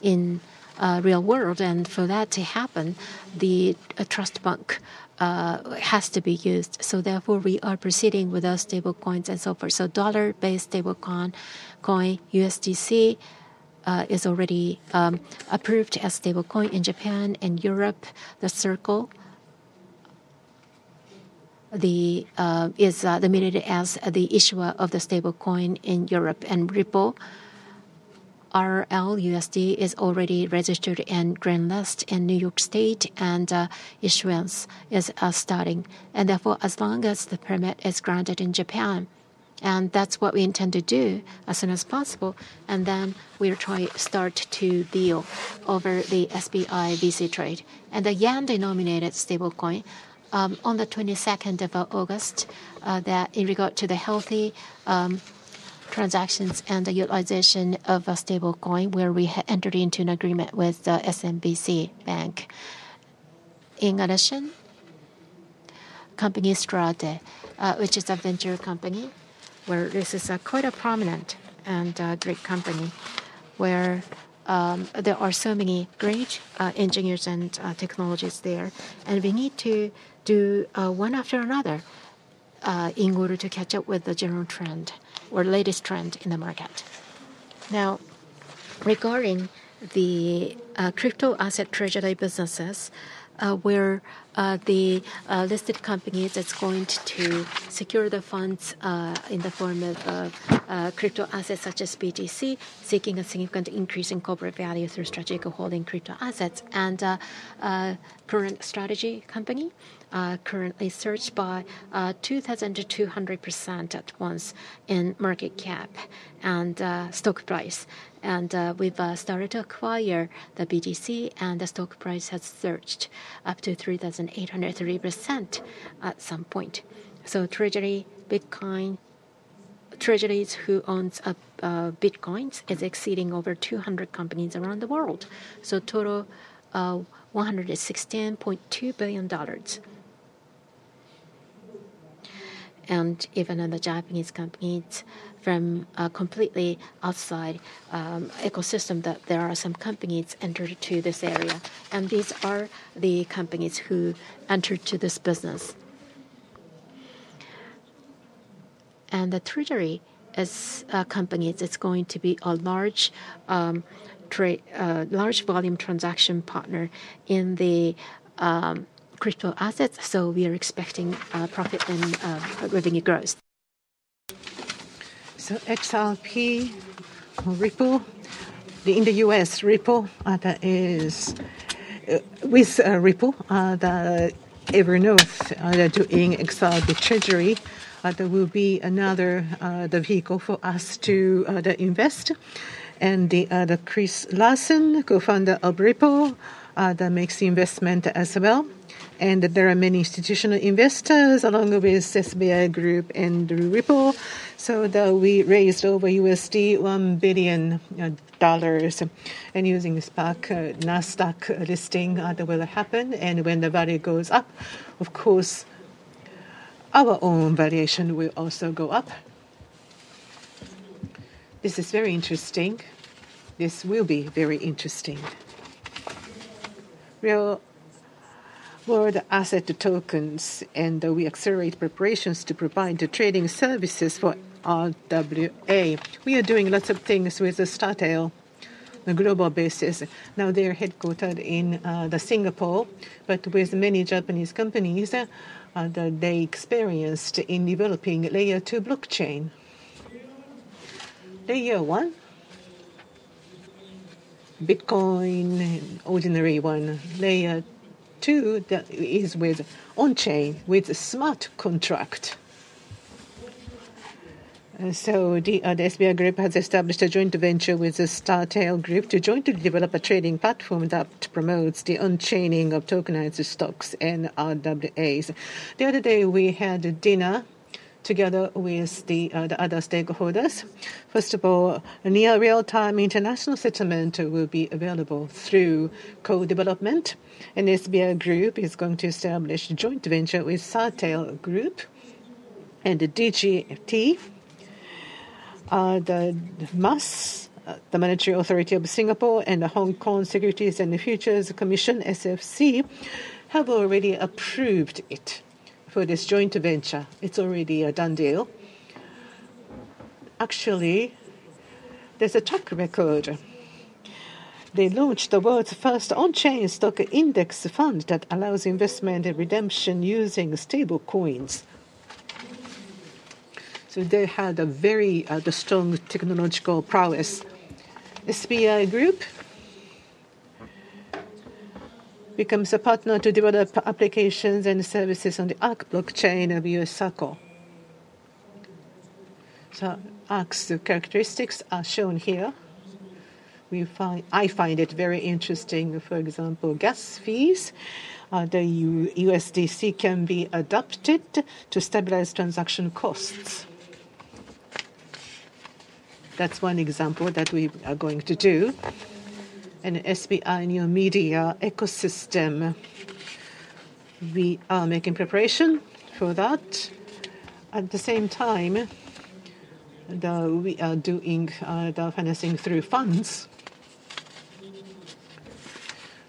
A: in the real world. For that to happen, the Trust Bank has to be used. Therefore, we are proceeding with those stablecoins and so forth. Dollar-based stablecoin, USDC, is already approved as stablecoin in Japan and Europe. Circle is limited as the issuer of the stablecoin in Europe. Ripple RLUSD is already registered and greenlisted in New York State, and issuance is starting. And therefore, as long as the permit is granted in Japan, and that's what we intend to do as soon as possible, and then we'll try to start to deal over the SBI VC Trade. And the yen-denominated stablecoin on the 22nd of August, that in regard to the healthy transactions and the utilization of a stablecoin where we entered into an agreement with the SMBC Bank. In addition, company Startale, which is a venture company, where this is quite a prominent and great company where there are so many great engineers and technologies there. And we need to do one after another in order to catch up with the general trend or latest trend in the market. Now, regarding the Crypto-asset Treasury businesses, where the listed company that's going to secure the funds in the form of Crypto-assets such as BTC, seeking a significant increase in corporate value through strategic holding Crypto-assets. A current strategy company currently surged by 2,200% at once in market cap and stock price. We've started to acquire the BTC, and the stock price has surged up to 3,803% at some point. Treasury Bitcoin treasuries who own Bitcoins is exceeding over 200 companies around the world. Total $116.2 billion. Even in the Japanese companies from a completely outside ecosystem, there are some companies entered to this area. These are the companies who entered to this business. The treasury is a company that's going to be a large volume transaction partner in the Crypto-assets. We are expecting profit and revenue growth. XRP or Ripple in the US. Ripple is with Ripple that everyone knows they're doing XRP Treasury. There will be another vehicle for us to invest. And Chris Larsen, co-founder of Ripple, that makes the investment as well. And there are many institutional investors along with SBI Group and Ripple. So we raised over $1 billion. And using SPAC, NASDAQ listing, that will happen. And when the value goes up, of course, our own valuation will also go up. This is very interesting. This will be very interesting. We're the asset tokens, and we accelerate preparations to provide the trading services for RWA. We are doing lots of things with the Startale on a global basis. Now they're headquartered in Singapore, but with many Japanese companies that they experienced in developing layer two blockchain. Layer 1, Bitcoin, ordinary one. Layer 2 is with on-chain with a smart contract, so the SBI Group has established a joint venture with the Startale Labs to jointly develop a trading platform that promotes the on-chaining of tokenized stocks and RWAs. The other day, we had dinner together with the other stakeholders. First of all, near real-time international settlement will be available through co-development, and SBI Group is going to establish a joint venture with Startale Labs and DigiFT. The MAS, the Monetary Authority of Singapore, and the Hong Kong Securities and Futures Commission, SFC, have already approved it for this joint venture. It's already a done deal. Actually, there's a track record. They launched the world's first on-chain stock index fund that allows investment and redemption using stablecoins, so they had a very strong technological prowess. SBI Group becomes a partner to develop applications and services on the ARK blockchain of USDC. So ARK's characteristics are shown here. I find it very interesting. For example, gas fees that USDC can be adopted to stabilize transaction costs. That's one example that we are going to do. And SBI in your media ecosystem, we are making preparation for that. At the same time, though, we are doing the financing through funds.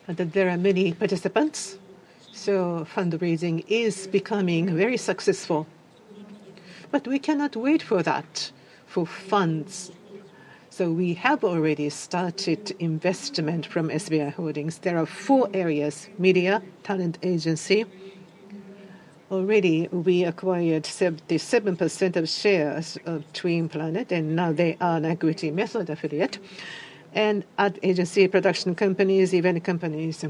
A: There are many participants. So fundraising is becoming very successful. But we cannot wait for that for funds. So we have already started investment from SBI Holdings. There are four areas: media, talent agency. Already, we acquired 77% of shares of TWIN PLANET, and now they are an equity method affiliate. And art agency, production companies, event companies.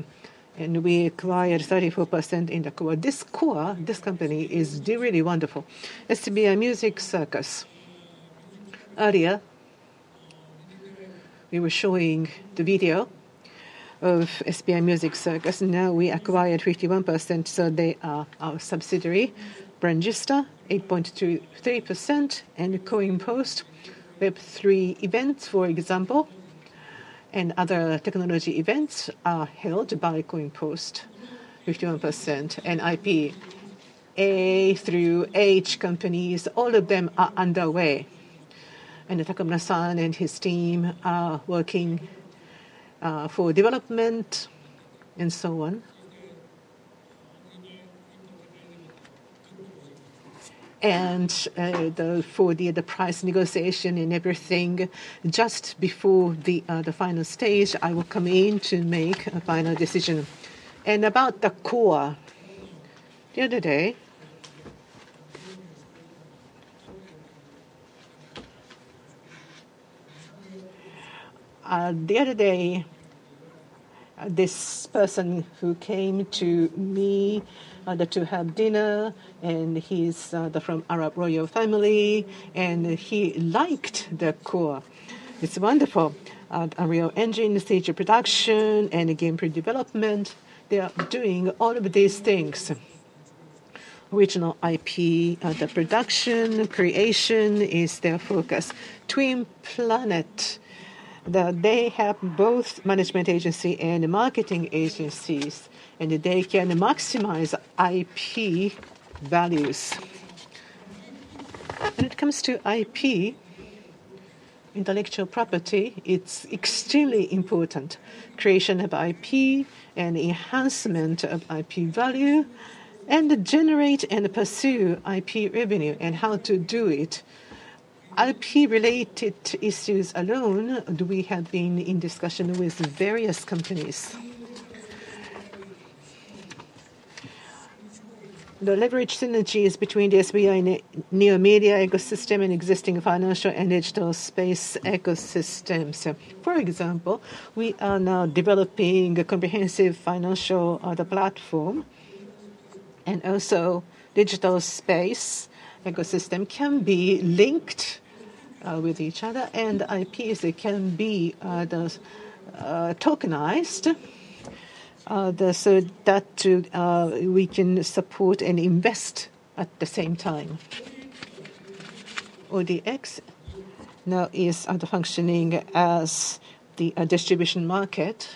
A: And we acquired 34% in THE CORE. This core, this company is really wonderful. SBI MUSIC CIRCUS. Earlier, we were showing the video of SBI MUSIC CIRCUS. Now we acquired 51%. So they are our subsidiary, Brangista, 8.23%. And CoinPost, Web3 events, for example, and other technology events are held by CoinPost, 51% NIP. A through H companies, all of them are underway. And Takamura-san and his team are working for development and so on. And for the price negotiation and everything, just before the final stage, I will come in to make a final decision. And about the Core, the other day, this person who came to me to have dinner, and he's from Arab royal family, and he liked the Core. It's wonderful. A real engine stage of production and a game pre-development. They are doing all of these things. Original IP, the production creation is their focus. TWIN PLANET, they have both management agency and marketing agencies, and they can maximize IP values. When it comes to IP, intellectual property, it's extremely important. Creation of IP and enhancement of IP value and generate and pursue IP revenue and how to do it. IP-related issues alone, we have been in discussion with various companies. The leverage synergies between the SBI and the new media ecosystem and existing financial and digital space ecosystems. For example, we are now developing a comprehensive financial platform. And also digital space ecosystem can be linked with each other. And IPs can be tokenized so that we can support and invest at the same time. ODX now is functioning as the distribution market.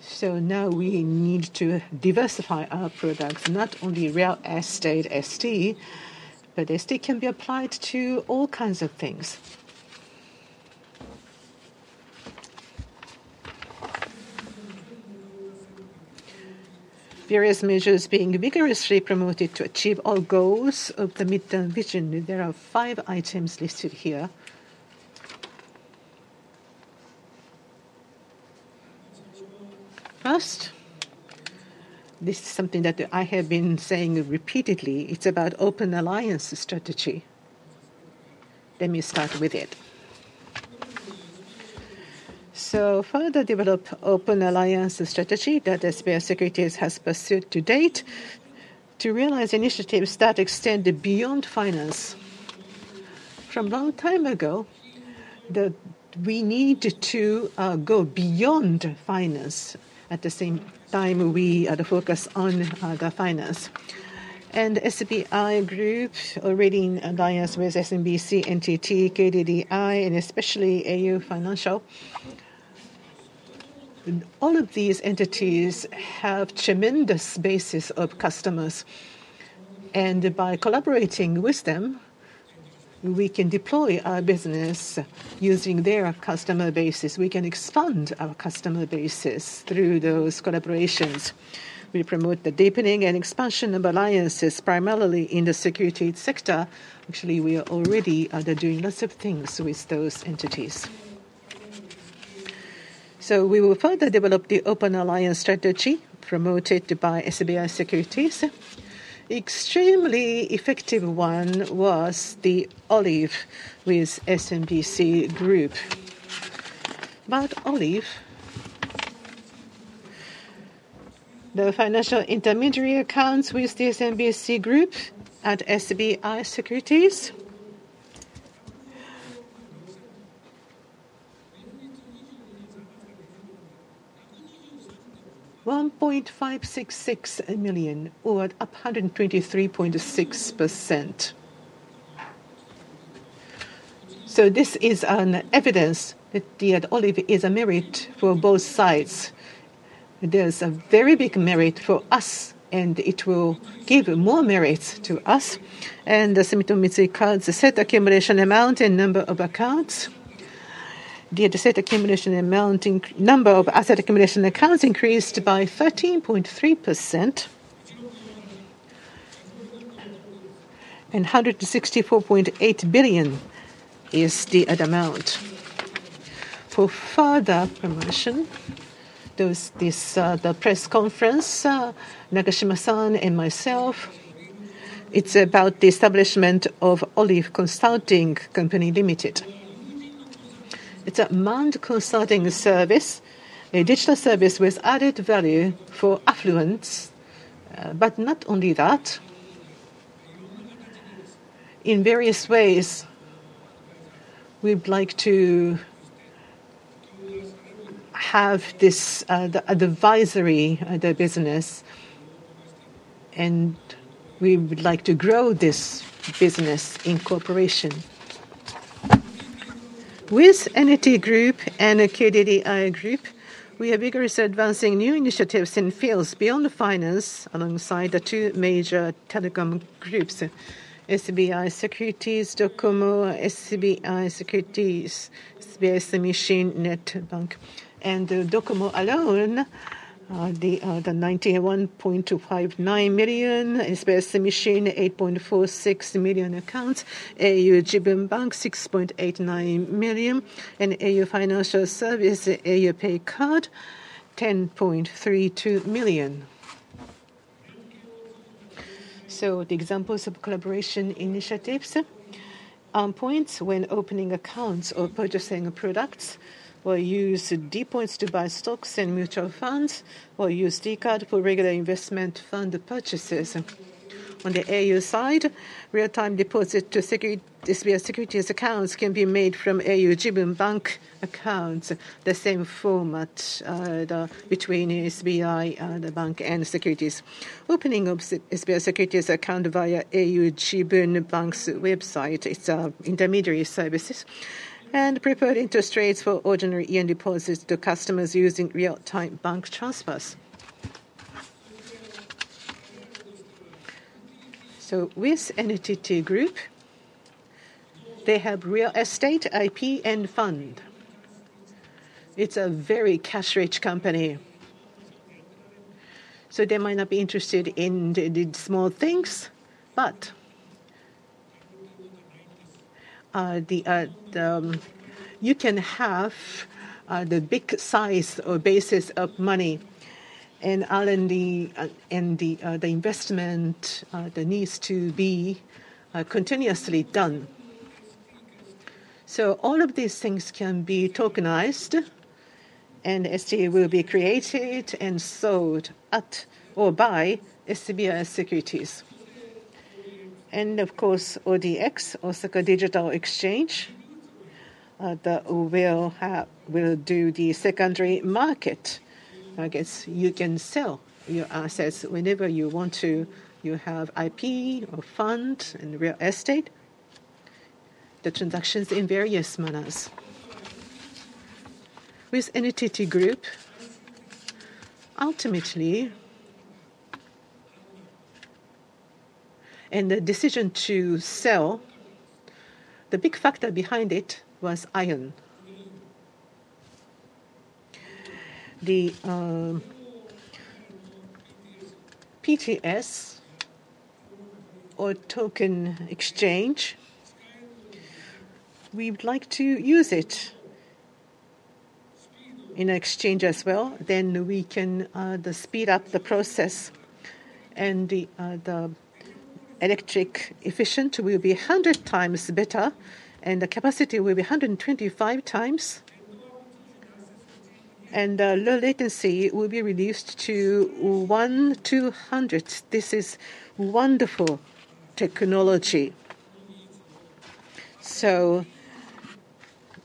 A: So now we need to diversify our products, not only real estate, ST, but ST can be applied to all kinds of things. Various measures are being vigorously promoted to achieve our goals of the midterm vision. There are five items listed here. First, this is something that I have been saying repeatedly. It's about open alliance strategy. Let me start with it. Further develop open alliance strategy that SBI SECURITIES has pursued to date to realize initiatives that extend beyond finance. From a long time ago, we need to go beyond finance at the same time we focus on the finance. SBI Group is already in alliance with SMBC, NTT, KDDI, and especially au Financial. All of these entities have tremendous bases of customers. By collaborating with them, we can deploy our business using their customer bases. We can expand our customer bases through those collaborations. We promote the deepening and expansion of alliances, primarily in the Securities sector. Actually, we are already doing lots of things with those entities. We will further develop the open alliance strategy promoted by SBI SECURITIES. An extremely effective one was the Olive with SMBC Group. About Olive, the financial intermediary accounts with the SMBC Group at SBI SECURITIES: 1.566 million, up 123.6%. This is an evidence that the Olive is a merit for both sides. There's a very big merit for us, and it will give more merits to us. The SMBC cards, asset accumulation amount and number of accounts. The asset accumulation amount, number of asset accumulation accounts increased by 13.3%. 164.8 billion is the amount. For further promotion, there's the press conference, Nakashima-san and myself. It's about the establishment of Olive Consulting Company Ltd. It's a manned consulting service, a digital service with added value for affluence. But not only that. In various ways, we'd like to have this advisory business, and we would like to grow this business in cooperation with NTT Group and KDDI Group. We are vigorously advancing new initiatives in fields beyond finance alongside the two major telecom groups, SBI SECURITIES, Docomo, SBI SECURITIES, SBI Sumishin Net Bank. Docomo alone has 91.59 million, SBI Sumishin Net Bank has 8.46 million accounts, au Jibun Bank has 6.89 million, and au Financial Service, au PAY Card has 10.32 million. Examples of collaboration initiatives include d POINTs when opening accounts or purchasing products or use d POINTs to buy stocks and mutual funds or use d CARD for regular investment fund purchases. On the AU side, real-time deposit to SBI SECURITIES accounts can be made from au Jibun Bank accounts, the same format between SBI, the BANK, and SECURITIES. Opening up SBI SECURITIES account via au Jibun Bank's website. It's an intermediary service. Preferred interest rates for ordinary yen deposits to customers using real-time bank transfers. With NTT Group, they have real estate, IP, and fund. It's a very cash-rich company. They might not be interested in the small things, but you can have the big size or basis of money. The investment needs to be continuously done. All of these things can be tokenized, and ST will be created and sold at or by SBI SECURITIES. Of course, ODX, Osaka Digital Exchange, will do the secondary market. I guess you can sell your assets whenever you want to. You have IP or fund and real estate. The transactions in various manners. With NTT Group, ultimately, the decision to sell, the big factor behind it was IOWN. The PTS or token exchange, we would like to use it in an exchange as well. Then we can speed up the process, and the electric efficiency will be 100 times better, and the capacity will be 125 times, and the low latency will be reduced to 1, 200. This is wonderful technology.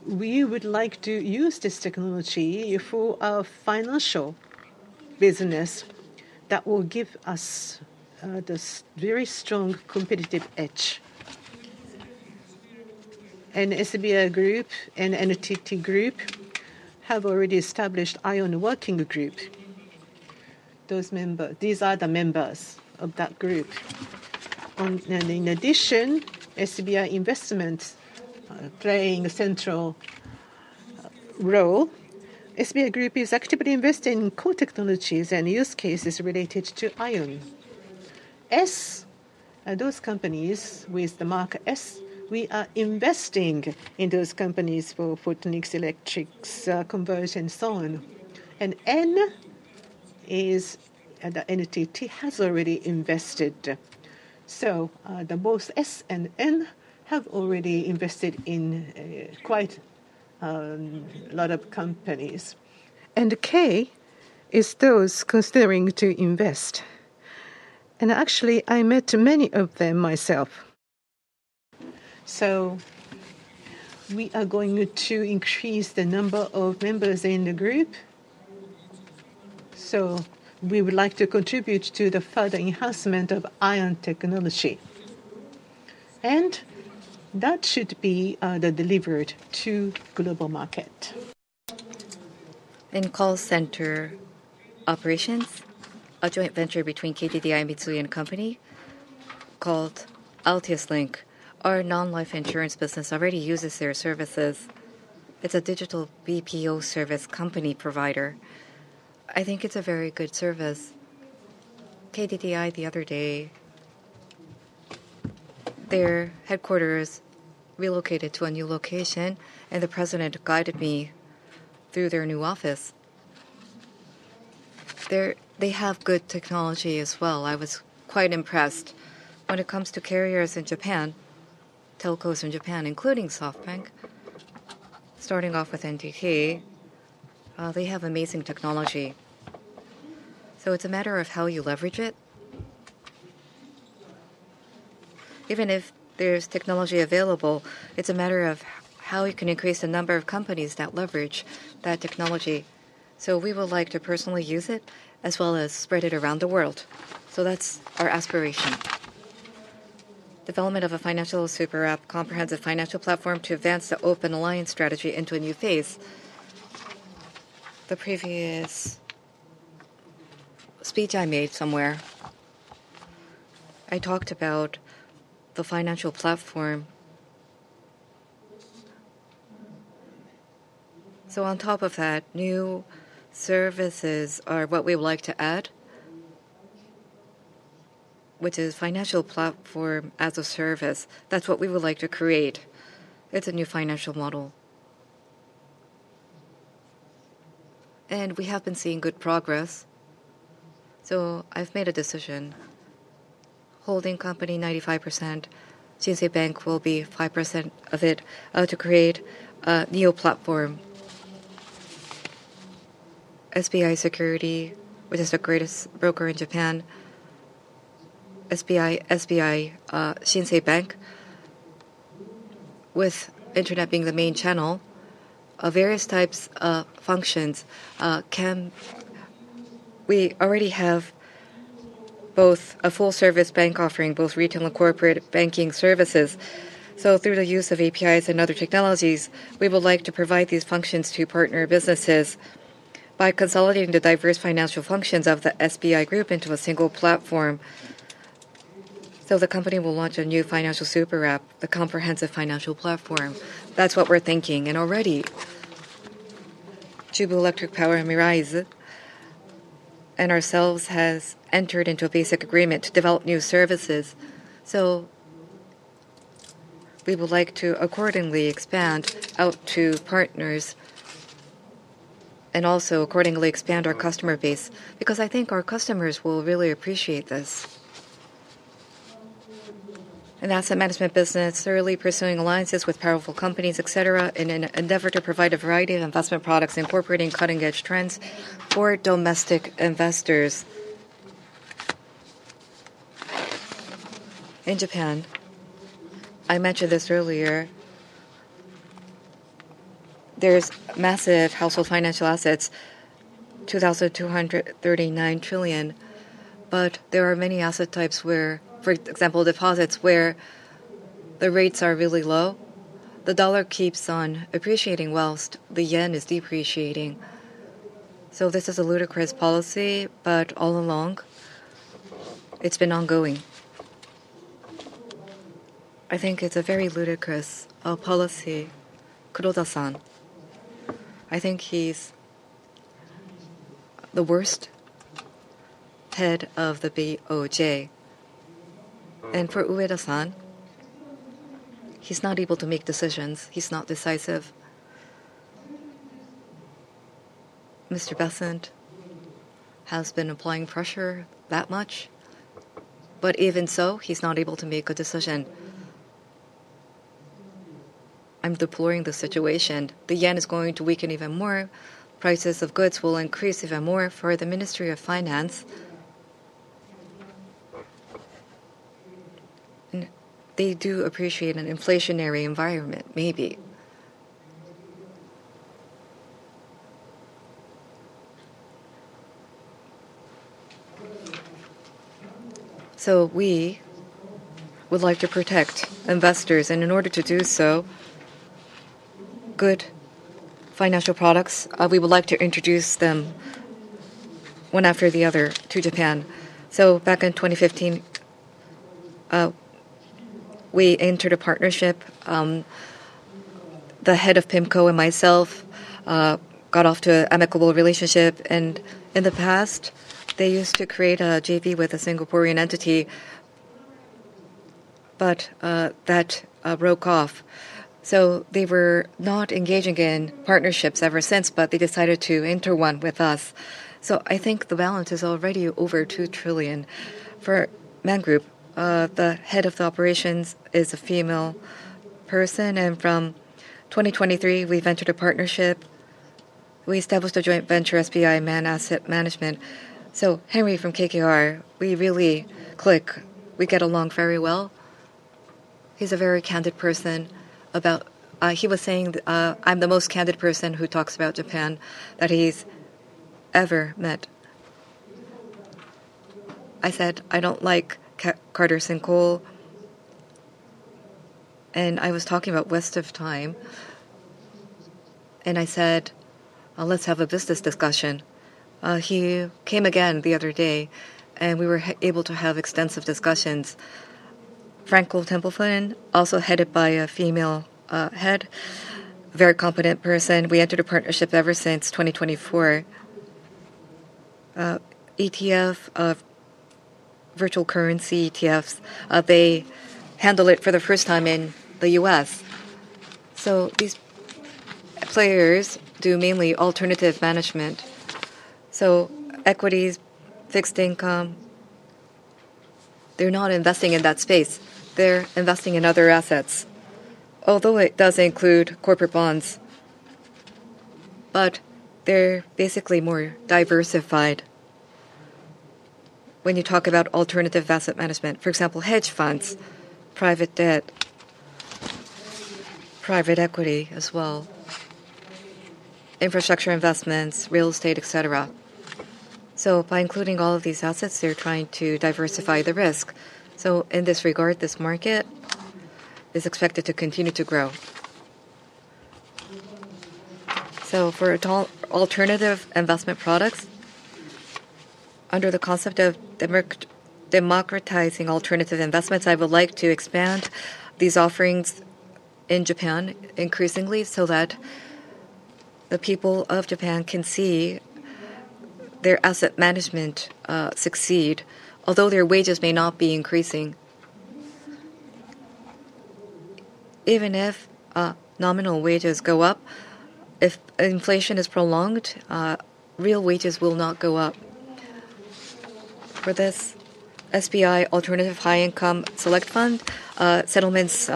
A: We would like to use this technology for our financial business that will give us this very strong competitive edge. SBI Group and NTT Group have already established IOWN Working Group. Those members, these are the members of that group. In addition, SBI Investment’s playing a central role. SBI Group is actively investing in core technologies and use cases related to IOWN. S, those companies with the mark S, we are investing in those companies [such as] Furukawa Electric's convergence and so on. N is [where] the NTT has already invested. Both S and N have already invested in quite a lot of companies. K is those considering [an investment]. Actually, I met many of them myself. We are going to increase the number of members in the group. We would like to contribute to the further enhancement of IOWN technology. That should be delivered to the global market. In call center operations, a joint venture between KDDI, Mitsui & Co. called Altius Link. Our non-life insurance business already uses their services. It's a digital BPO service company provider. I think it's a very good service. KDDI, the other day, their headquarters relocated to a new location, and the president guided me through their new office. They have good technology as well. I was quite impressed. When it comes to carriers in Japan, telcos in Japan, including SoftBank, starting off with NTT, they have amazing technology. It's a matter of how you leverage it. Even if there's technology available, it's a matter of how you can increase the number of companies that leverage that technology. So we would like to personally use it as well as spread it around the world. So that's our aspiration. Development of a financial super app, comprehensive financial platform to advance the open alliance strategy into a new phase. The previous speech I made somewhere, I talked about the financial platform. So on top of that, new services are what we would like to add, which is financial platform as a service. That's what we would like to create. It's a new financial model. And we have been seeing good progress. So I've made a decision. Holding company 95%, SBI Shinsei Bank will be 5% of it to create a neo platform. SBI SECURITIES, which is the greatest broker in Japan. SBI, SBI Shinsei Bank, with internet being the main channel, various types of functions. We already have both a full-service bank offering both retail and corporate banking services. Through the use of APIs and other technologies, we would like to provide these functions to partner businesses by consolidating the diverse financial functions of the SBI Group into a single platform. The company will launch a new financial super app, the comprehensive financial platform. That's what we're thinking, and already, Chubu Electric Power Miraiz and ourselves have entered into a basic agreement to develop new services. We would like to accordingly expand out to partners and also accordingly expand our customer base because I think our customers will really appreciate this. An Asset Management business thoroughly pursuing alliances with powerful companies, etc., in an endeavor to provide a variety of investment products incorporating cutting-edge trends for domestic investors. In Japan, I mentioned this earlier. There's massive household financial assets, 2,239 trillion, but there are many asset types where, for example, deposits where the rates are really low. The dollar keeps on appreciating while the yen is depreciating. So this is a ludicrous policy, but all along, it's been ongoing. I think it's a very ludicrous policy. Kuroda-san, I think he's the worst head of the BOJ. And for Ueda-san, he's not able to make decisions. He's not decisive. Mr. Bessent has been applying pressure that much, but even so, he's not able to make a decision. I'm deploring the situation. The yen is going to weaken even more. Prices of goods will increase even more for the Ministry of Finance. They do appreciate an inflationary environment, maybe. So we would like to protect investors, and in order to do so, good financial products, we would like to introduce them one after the other to Japan. So back in 2015, we entered a partnership. The head of PIMCO and myself got off to an amicable relationship, and in the past, they used to create a JV with a Singaporean entity, but that broke off. So they were not engaging in partnerships ever since, but they decided to enter one with us. So I think the balance is already over 2 trillion for Man Group. The head of the operations is a female person, and from 2023, we've entered a partnership. We established a joint venture, SBI Man Asset Management. So Henry from KKR, we really click. We get along very well. He's a very candid person. He was saying, "I'm the most candid person who talks about Japan that he's ever met." I said, "I don't like courtesy calls," and I was talking about waste of time. I said, "Let's have a business discussion." He came again the other day, and we were able to have extensive discussions. Franklin Templeton, also headed by a female head, very competent person. We entered a partnership ever since 2024. ETF of virtual currency ETFs, they handle it for the first time in the U.S. So these players do mainly alternative management. So equities, fixed income, they're not investing in that space. They're investing in other assets, although it does include corporate bonds, but they're basically more diversified when you talk about alternative Asset Management. For example, hedge funds, private debt, private equity as well, infrastructure investments, real estate, etc. By including all of these assets, they're trying to diversify the risk. In this regard, this market is expected to continue to grow. For alternative investment products, under the concept of democratizing alternative investments, I would like to expand these offerings in Japan increasingly so that the people of Japan can see their Asset Management succeed, although their wages may not be increasing. Even if nominal wages go up, if inflation is prolonged, real wages will not go up. For this, SBI Alternative High Income Select Fund settlements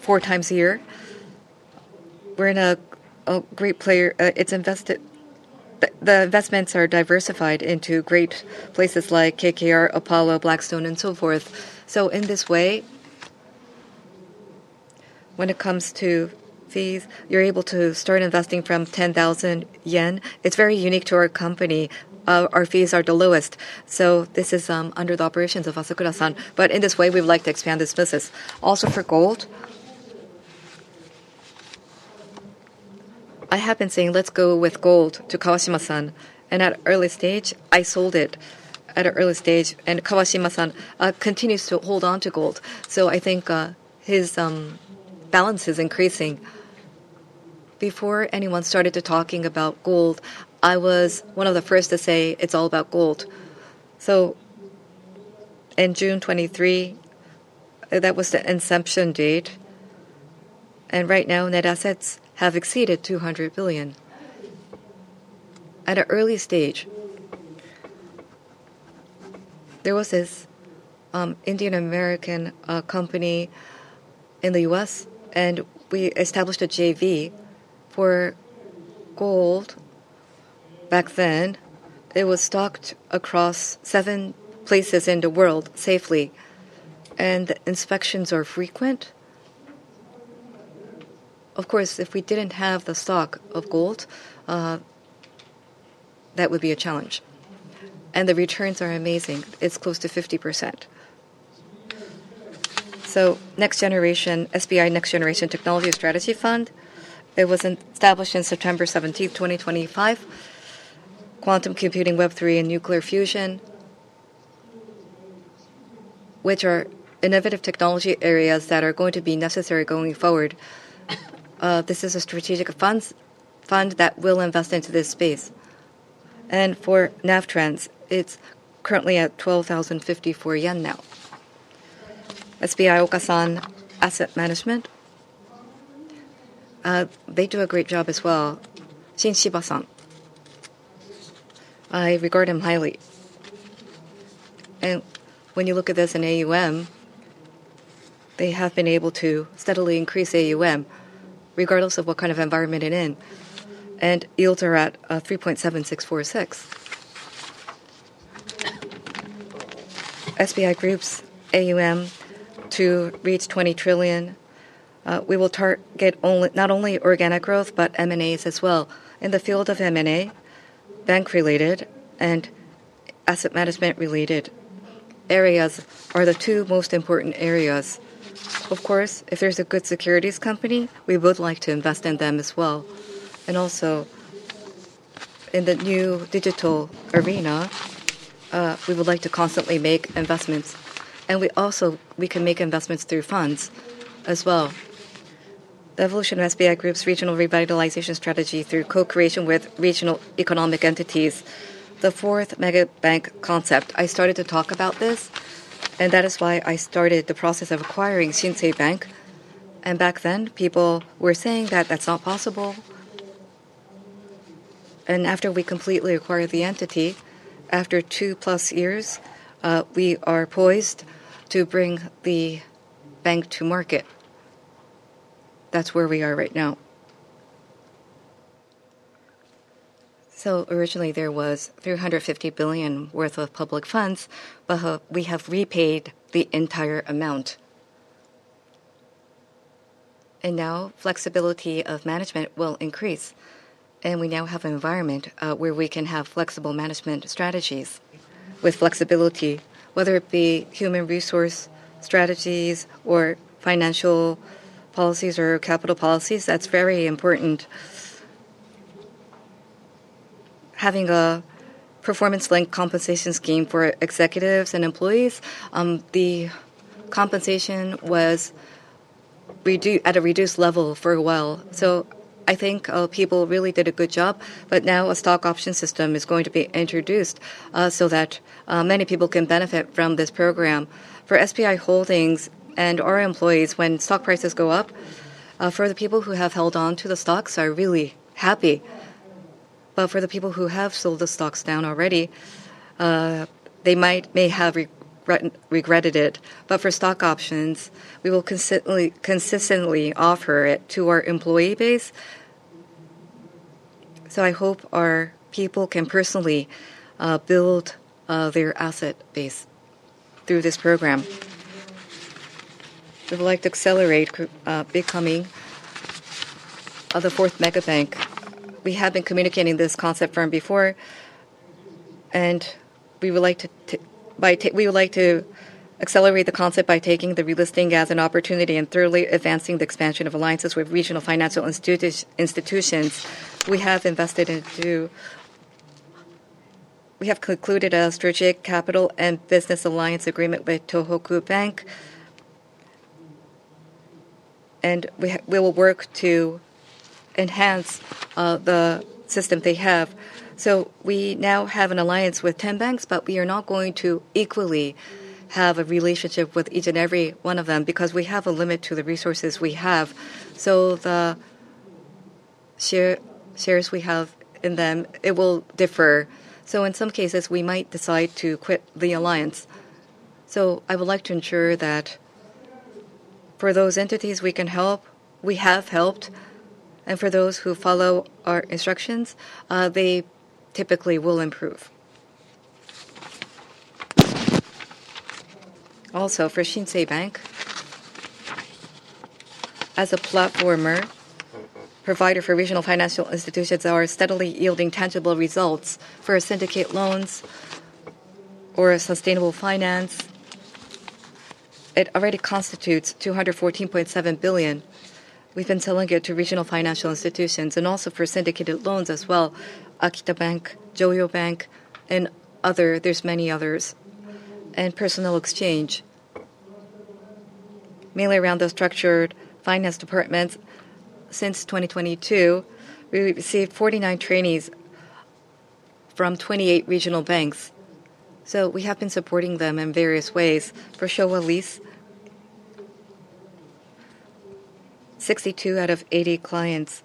A: four times a year. We're a great player. The investments are diversified into great players like KKR, Apollo, Blackstone, and so forth. In this way, when it comes to fees, you're able to start investing from 10,000 yen. It's very unique to our company. Our fees are the lowest. This is under the operations of Asakura-san. But in this way, we'd like to expand this business. Also for gold, I have been saying, "Let's go with gold to Kawashima-san." And at early stage, I sold it at an early stage, and Kawashima-san continues to hold on to gold. So I think his balance is increasing. Before anyone started talking about gold, I was one of the first to say, "It's all about gold." So in June 2023, that was the inception date. And right now, net assets have exceeded 200 billion. At an early stage, there was this Indian-American company in the U.S., and we established a JV for gold back then. It was stocked across seven places in the world safely, and inspections are frequent. Of course, if we didn't have the stock of gold, that would be a challenge. And the returns are amazing. It's close to 50%. Next generation, SBI Next Generation Technology Strategy Fund. It was established on September 17, 2025. Quantum Computing, Web3, and Nuclear Fusion, which are innovative technology areas that are going to be necessary going forward. This is a strategic fund that will invest into this space. For NAV Trends, it's currently at jpy 12,054 now. SBI Okasan Asset Management, they do a great job as well. Shinji Matsui-san, I regard him highly. When you look at this in AUM, they have been able to steadily increase AUM regardless of what kind of environment it's in. Yields are at 3.7646%. SBI Group's AUM to reach 20 trillion. We will target not only organic growth, but M&As as well. In the field of M&A, bank-related and Asset Management-related areas are the two most important areas. Of course, if there's a good securities company, we would like to invest in them as well. And also in the new digital arena, we would like to constantly make investments. And we also can make investments through funds as well. The evolution of SBI Group's regional revitalization strategy through co-creation with regional economic entities, the fourth mega bank concept. I started to talk about this, and that is why I started the process of acquiring Shinsei Bank. And back then, people were saying that that's not possible. And after we completely acquired the entity, after two plus years, we are poised to bring the bank to market. That's where we are right now. So originally, there was 350 billion worth of public funds, but we have repaid the entire amount. And now flexibility of management will increase. We now have an environment where we can have flexible management strategies with flexibility, whether it be human resource strategies or financial policies or capital policies. That's very important. Having a performance-linked compensation scheme for executives and employees, the compensation was at a reduced level for a while. I think people really did a good job, but now a stock option system is going to be introduced so that many people can benefit from this program. For SBI Holdings and our employees, when stock prices go up, for the people who have held on to the stocks, I'm really happy. For the people who have sold the stocks down already, they may have regretted it. For stock options, we will consistently offer it to our employee base. I hope our people can personally build their asset base through this program. We would like to accelerate becoming the fourth mega bank. We have been communicating this concept from before, and we would like to accelerate the concept by taking the relisting as an opportunity and thoroughly advancing the expansion of alliances with regional financial institutions. We have invested into. We have concluded a Strategic Capital and Business Alliance Agreement with TOHOKU BANK, and we will work to enhance the system they have. So we now have an alliance with 10 banks, but we are not going to equally have a relationship with each and every one of them because we have a limit to the resources we have. So the shares we have in them, it will differ. So in some cases, we might decide to quit the alliance. I would like to ensure that for those entities we can help, we have helped, and for those who follow our instructions, they typically will improve. Also, for Shinsei Bank, as a platform provider for regional financial institutions that are steadily yielding tangible results for syndicate loans or sustainable finance, it already constitutes 214.7 billion. We've been selling it to regional financial institutions and also for syndicated loans as well, Akita Bank, Joyo Bank, and many others, and personnel exchange, mainly around the structured finance department. Since 2022, we received 49 trainees from 28 regional banks. We have been supporting them in various ways. For Showa Leasing, 62 out of 80 clients,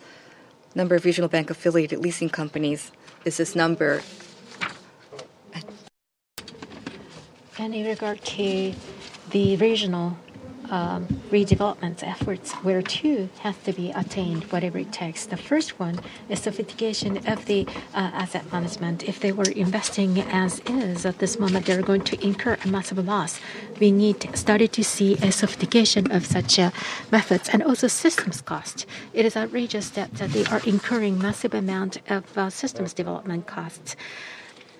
A: number of regional bank-affiliated leasing companies. This is number. In regard to the regional redevelopment efforts, where two have to be attained, whatever it takes, the first one is sophistication of the Asset Management. If they were investing as is at this moment, they're going to incur a massive loss. We need to start to see a sophistication of such methods and also systems costs. It is outrageous that they are incurring a massive amount of systems development costs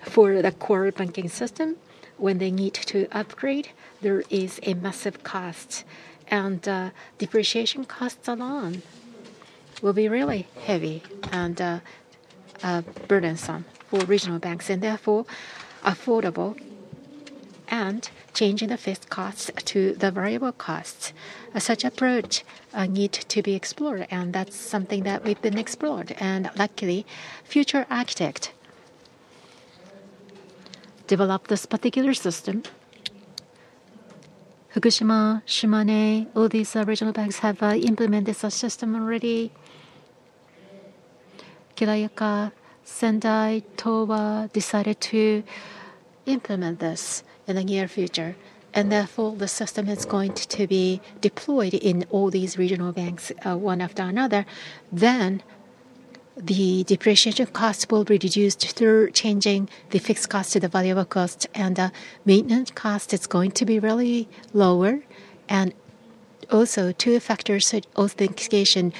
A: for the core banking system. When they need to upgrade, there is a massive cost, and depreciation costs alone will be really heavy and burdensome for regional banks and therefore affordable and changing the fixed costs to the variable costs. Such approach needs to be explored, and that's something that we've been exploring, and luckily, Future Architect developed this particular system. Fukushima, Shimane, all these regional banks have implemented such system already. Kirayaka, Sendai, TOWA decided to implement this in the near future, and therefore, the system is going to be deployed in all these regional banks one after another. Then the depreciation cost will be reduced through changing the fixed cost to the variable cost, and the maintenance cost is going to be really lower. And also, two-factor authentication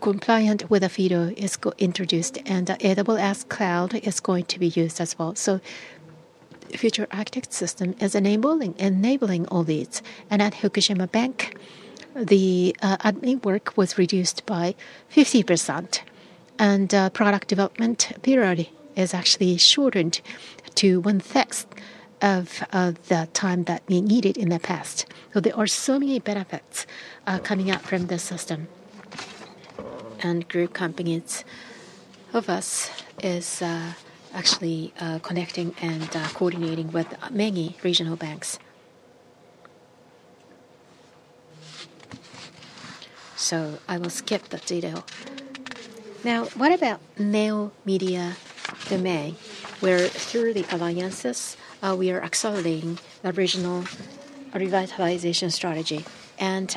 A: compliant with FIDO is introduced, and the AWS cloud is going to be used as well. So Future Architect system is enabling all these. And at Fukushima Bank, the admin work was reduced by 50%, and product development period is actually shortened to one-sixth of the time that we needed in the past. So there are so many benefits coming out from this system. And group companies of us are actually connecting and coordinating with many regional banks. So I will skip the details. Now, what about new media domain where through the alliances we are accelerating the regional revitalization strategy and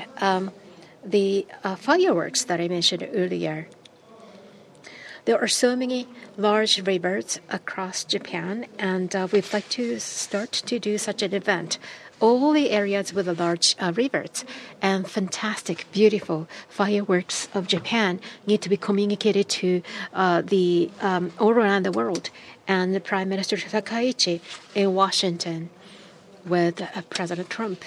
A: the fireworks that I mentioned earlier? There are so many large rebirths across Japan, and we'd like to start to do such an event. All the areas with a large rebirth and fantastic, beautiful fireworks of Japan need to be communicated to all around the world and the Prime Minister Takaichi in Washington with President Trump.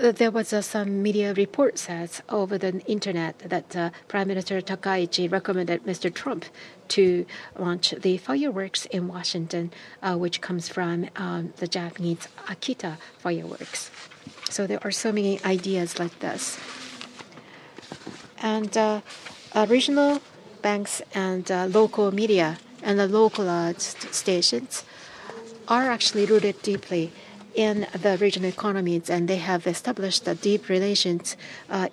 A: There was some media reports over the internet that Prime Minister Takaichi recommended Mr. Trump to launch the fireworks in Washington, which comes from the Japanese Akita fireworks. So there are so many ideas like this. And regional banks and local media and the local stations are actually rooted deeply in the regional economies, and they have established deep relations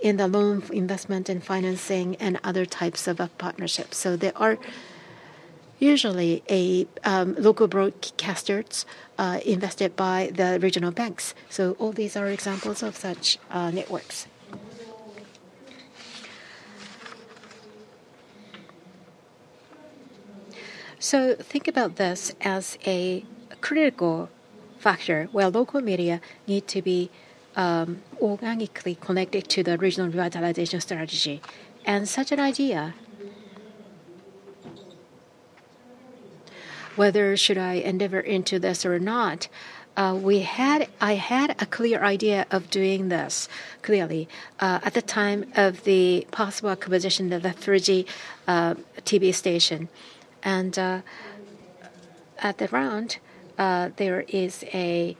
A: in the loan investment and financing and other types of partnerships. So all these are examples of such networks. Think about this as a critical factor where local media need to be organically connected to the regional revitalization strategy. Such an idea, whether should I endeavor into this or not, I had a clear idea of doing this clearly at the time of the possible acquisition of the 3G TV station. Around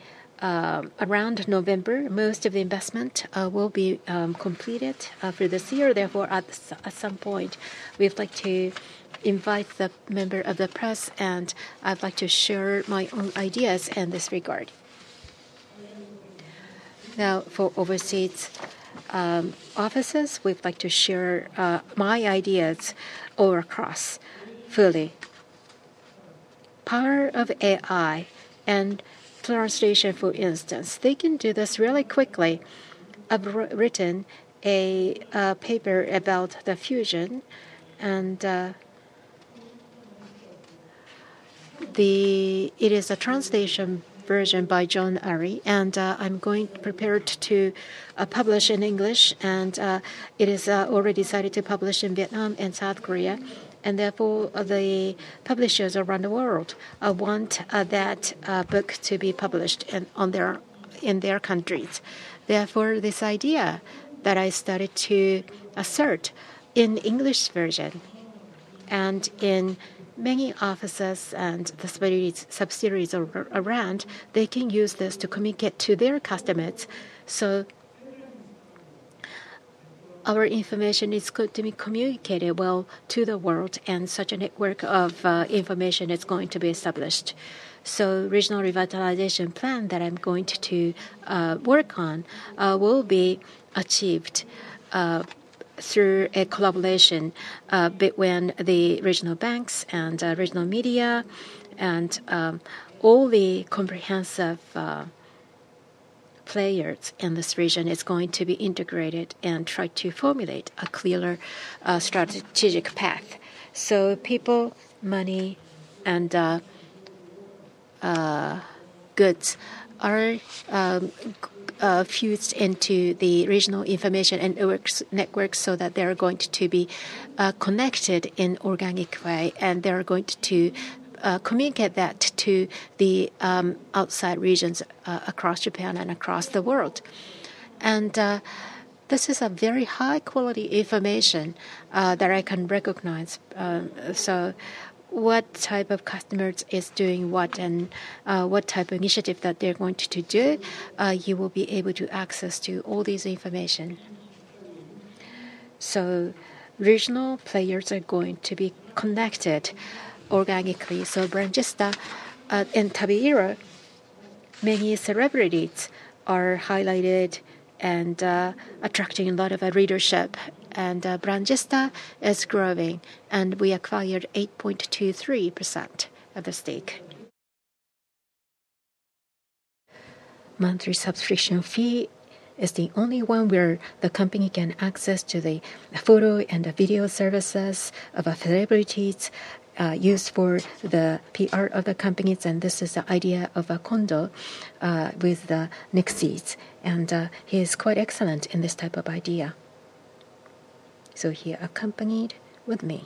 A: November, most of the investment will be completed for this year. Therefore, at some point, we'd like to invite the member of the press, and I'd like to share my own ideas in this regard. Now, for overseas offices, we'd like to share my ideas all across fully. Power of AI and translation, for instance, they can do this really quickly. I've written a paper about the fusion, and it is a translation version by John Arai, and I'm prepared to publish in English, and it is already decided to publish in Vietnam and South Korea, and therefore, the publishers around the world want that book to be published in their countries. Therefore, this idea that I started to assert in English version and in many offices and subsidiaries around, they can use this to communicate to their customers, so our information is going to be communicated well to the world, and such a network of information is going to be established, so regional revitalization plan that I'm going to work on will be achieved through a collaboration between the regional banks and regional media and all the comprehensive players in this region is going to be integrated and try to formulate a clearer strategic path. People, money, and goods are fused into the regional information and networks so that they are going to be connected in an organic way, and they are going to communicate that to the outside regions across Japan and across the world. This is very high-quality information that I can recognize. What type of customers is doing what and what type of initiative that they're going to do, you will be able to access all this information. Regional players are going to be connected organically. Brangista in Tabiiro, many celebrities are highlighted and attracting a lot of readership, and Brangista is growing, and we acquired 8.23% of the stake. Monthly subscription fee is the only one where the company can access the photo and video services of celebrities used for the PR of the companies. This is the idea of Kondo with the next seats, and he is quite excellent in this type of idea. He accompanied with me.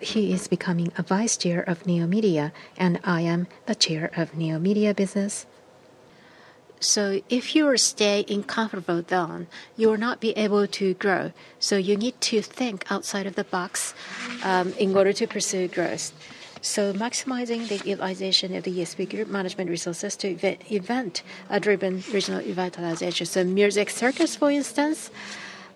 A: He is becoming a vice chair of NEO MEDIA, and I am the chair of NEO MEDIA Business. If you stay in comfort zone, you will not be able to grow. You need to think outside of the box in order to pursue growth. Maximizing the utilization of the SBI Group management resources to event-driven regional revitalization. MUSIC CIRCUS, for instance,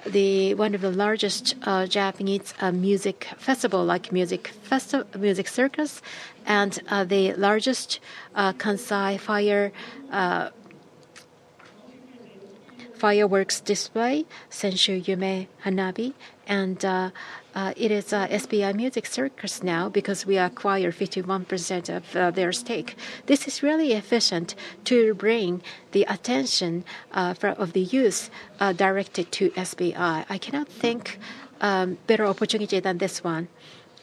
A: one of the largest Japanese music festivals like MUSIC CIRCUS and the largest Kansai fireworks display, Senshu Yume Hanabi. It is SBI MUSIC CIRCUS now because we acquire 51% of their stake. This is really efficient to bring the attention of the youth directed to SBI. I cannot think of a better opportunity than this one.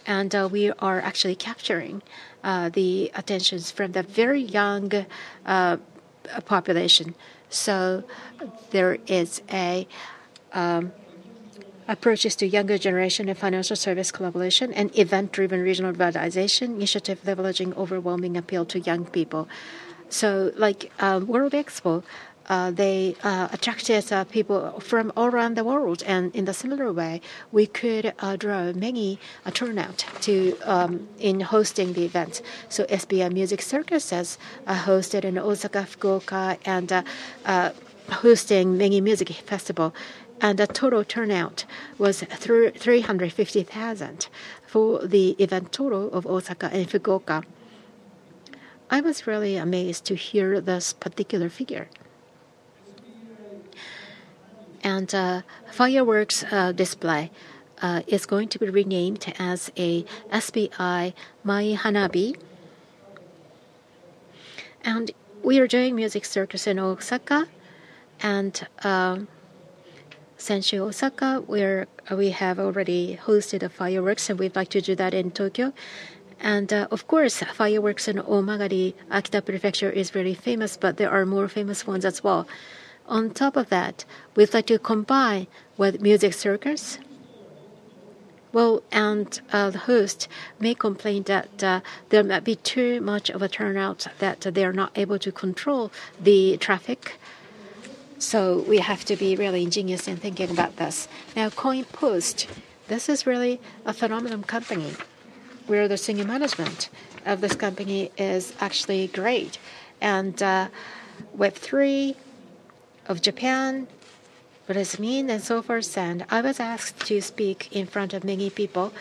A: We are actually capturing the attention from the very young population. There is an approach to younger generation and financial service collaboration and event-driven regional revitalization initiative leveraging overwhelming appeal to young people. Like World EXPO, they attracted people from all around the world. In a similar way, we could draw many turnout in hosting the events. SBI MUSIC CIRCUS has hosted in Osaka, Fukuoka, and hosting many music festivals. The total turnout was 350,000 for the event total of Osaka and Fukuoka. I was really amazed to hear this particular figure. Fireworks display is going to be renamed as a SBI Senshu Yume Hanabi. We are doing MUSIC CIRCUS in Osaka and Senshu Osaka, where we have already hosted the fireworks, and we'd like to do that in Tokyo. Of course, fireworks in Omagari. Akita Prefecture is very famous, but there are more famous ones as well. On top of that, we'd like to combine with MUSIC CIRCUS. Well, and the host may complain that there might be too much of a turnout that they are not able to control the traffic. So we have to be really ingenious in thinking about this. Now, CoinPost, this is really a phenomenal company where the senior management of this company is actually great. And with three of Japan, Brazil, and so forth, and I was asked to speak in front of many people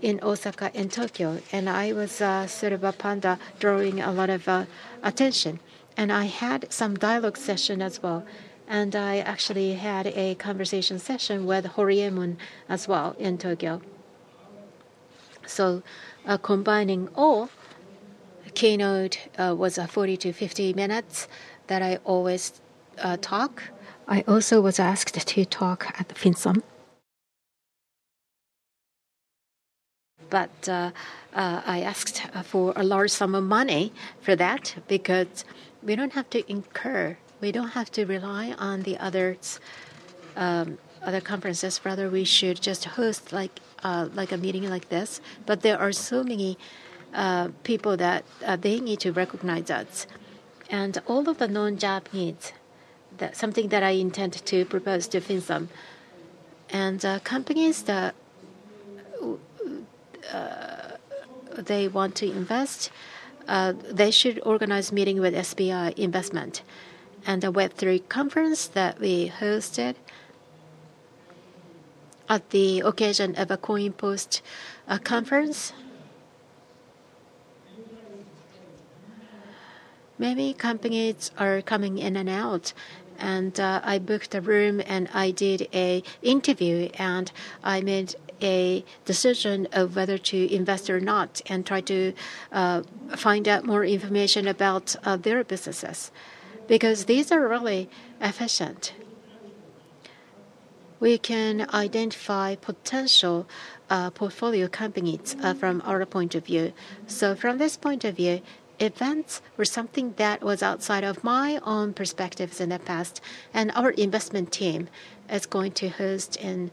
A: in Osaka and Tokyo, and I was sort of a panda drawing a lot of attention. And I had some dialogue session as well, and I actually had a conversation session with Horiemon as well in Tokyo. Combining all, the keynote was 40-50 minutes that I always talk. I also was asked to talk at the FIN/SUM. But I asked for a large sum of money for that because we don't have to incur, we don't have to rely on the other conferences. Rather, we should just host a meeting like this. But there are so many people that they need to recognize that. And all of the non-Japanese, something that I intend to propose to FIN/SUM. And companies that they want to invest, they should organize a meeting with SBI Investment and the Web3 conference that we hosted at the occasion of a CoinPost conference. Many companies are coming in and out, and I booked a room, and I did an interview, and I made a decision of whether to invest or not and tried to find out more information about their businesses because these are really efficient. We can identify potential portfolio companies from our point of view, so from this point of view, events were something that was outside of my own perspectives in the past, and our investment team is going to host and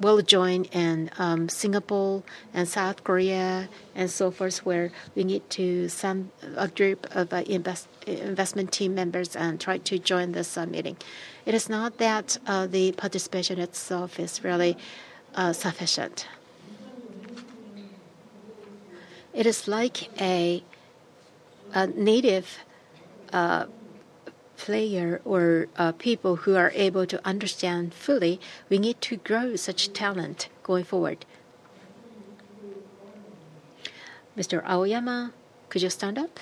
A: will join in Singapore and South Korea and so forth where we need to send a group of investment team members and try to join this meeting. It is not that the participation itself is really sufficient. It is like a native player or people who are able to understand fully. We need to grow such talent going forward. Mr. Aoyama, could you stand up?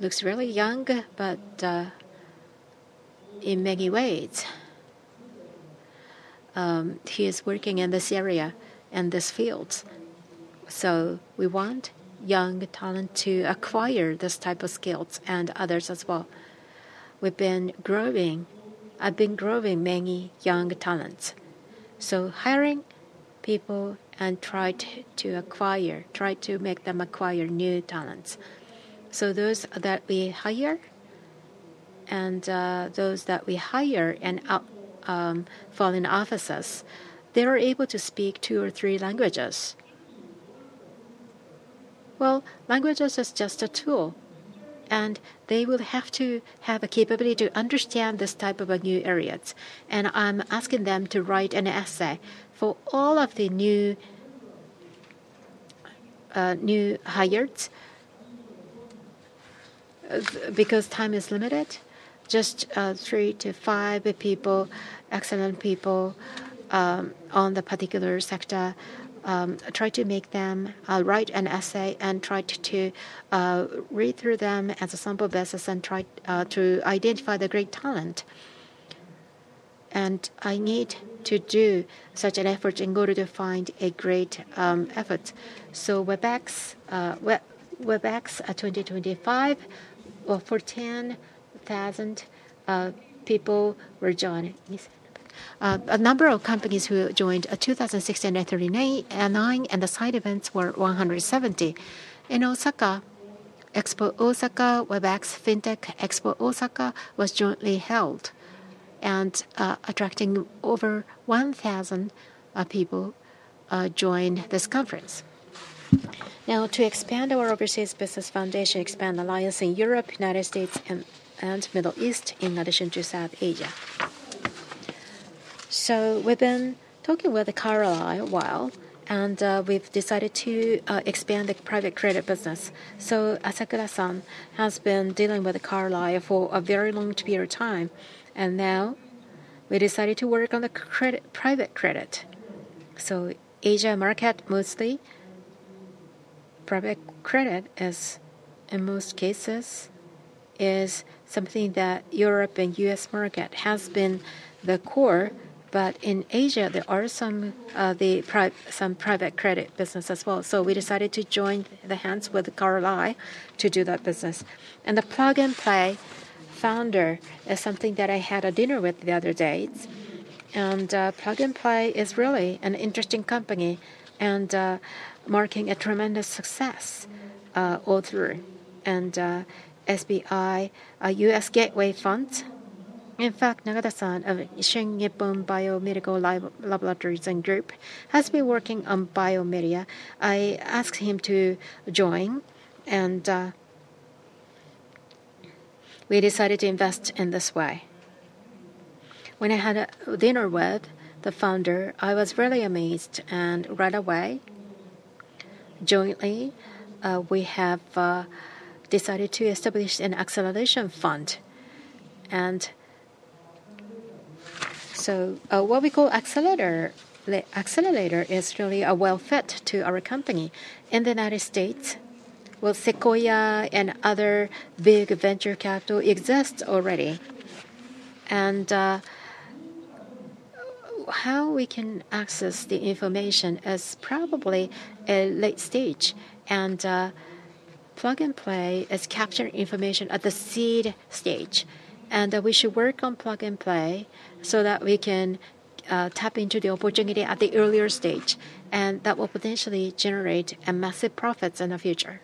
A: Looks really young, but in many ways, he is working in this area and this field. So we want young talent to acquire this type of skills and others as well. We've been growing, I've been growing many young talents. So hiring people and try to acquire, try to make them acquire new talents. So those that we hire and those that we hire in foreign offices, they are able to speak two or three languages. Well, languages is just a tool, and they will have to have a capability to understand this type of a new areas. And I'm asking them to write an essay for all of the new hires because time is limited. Just three to five people, excellent people on the particular sector. Try to make them write an essay and try to read through them as a sample basis and try to identify the great talent. I need to do such an effort in order to find a great effort. WebX 2025 had 10,000 people who joined. A number of companies who joined: 2,639, and the side events were 170. In Osaka, Expo Osaka. WebX FinTech EXPO Osaka was jointly held and attracting over 1,000 people joined this conference. Now, to expand our overseas business foundation, expand alliance in Europe, United States, and Middle East in addition to South Asia. We have been talking with the Carlyle a while, and we have decided to expand the private credit business. So Asakura-san has been dealing with the Carlyle for a very long period of time, and now we decided to work on the private credit. Asia market, mostly private credit is, in most cases, something that Europe and U.S. market has been the core, but in Asia, there are some private credit businesses as well. We decided to join the hands with the Carlyle to do that business. The Plug and Play founder is something that I had a dinner with the other day. Plug and Play is really an interesting company and making a tremendous success all through. SBI, a U.S. gateway fund, in fact, Nagata-san of Shin Nippon Biomedical Laboratories Group has been working on biomed. I asked him to join, and we decided to invest in this way. When I had a dinner with the founder, I was really amazed, and right away, jointly, we have decided to establish an acceleration fund, and so what we call accelerator is really a well-fit to our company. In the United States, well, Sequoia and other big venture capital exist already, and how we can access the information is probably a late stage. And Plug and Play is capturing information at the seed stage, and we should work on Plug and Play so that we can tap into the opportunity at the earlier stage, and that will potentially generate massive profits in the future.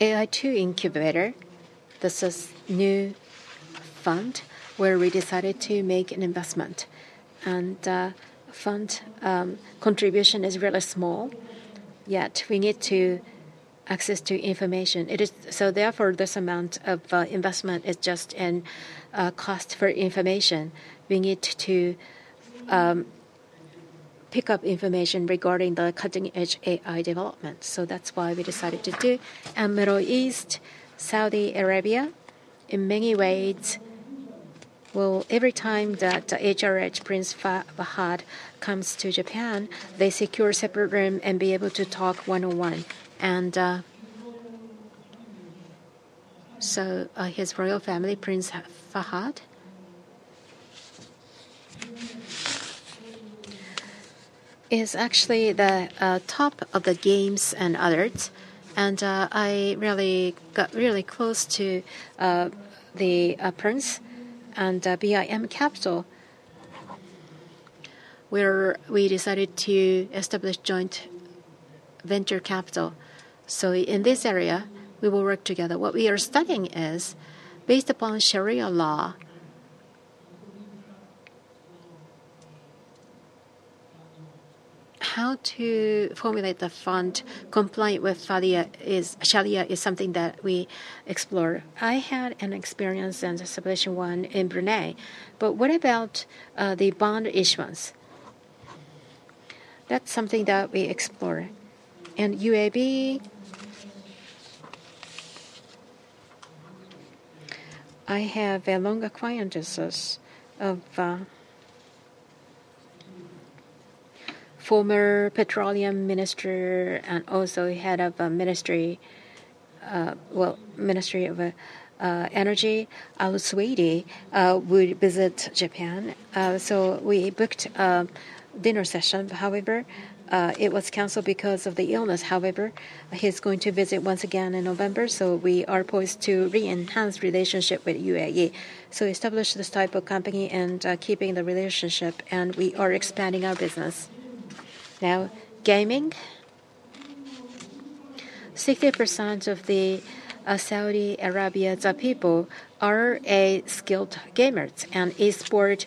A: AI2 Incubator, this is a new fund where we decided to make an investment, and fund contribution is really small, yet we need to access information. So therefore, this amount of investment is just in cost for information. We need to pick up information regarding the cutting-edge AI development. So that's why we decided to do. And Middle East, Saudi Arabia, in many ways, well, every time that HRH Prince Fahad comes to Japan, they secure separate room and be able to talk one-on-one. And so his royal family, Prince Fahad, is actually the top of the games and others. And I really got really close to the prince and BIM Capital. We decided to establish joint venture capital. So in this area, we will work together. What we are studying is, based upon Sharia law, how to formulate the fund compliant with Sharia is something that we explore. I had an experience in the securitization one in Brunei, but what about the bond issuance? That's something that we explore. UAE, I have a long acquaintance of former petroleum minister and also head of ministry, well, Ministry of Energy, Al-Suwaidi, would visit Japan. We booked a dinner session. However, it was canceled because of the illness. However, he's going to visit once again in November. We are poised to re-enhance relationship with UAE. We establish this type of company and keeping the relationship, and we are expanding our business. Now, gaming. 60% of the Saudi Arabia people are skilled gamers, and esports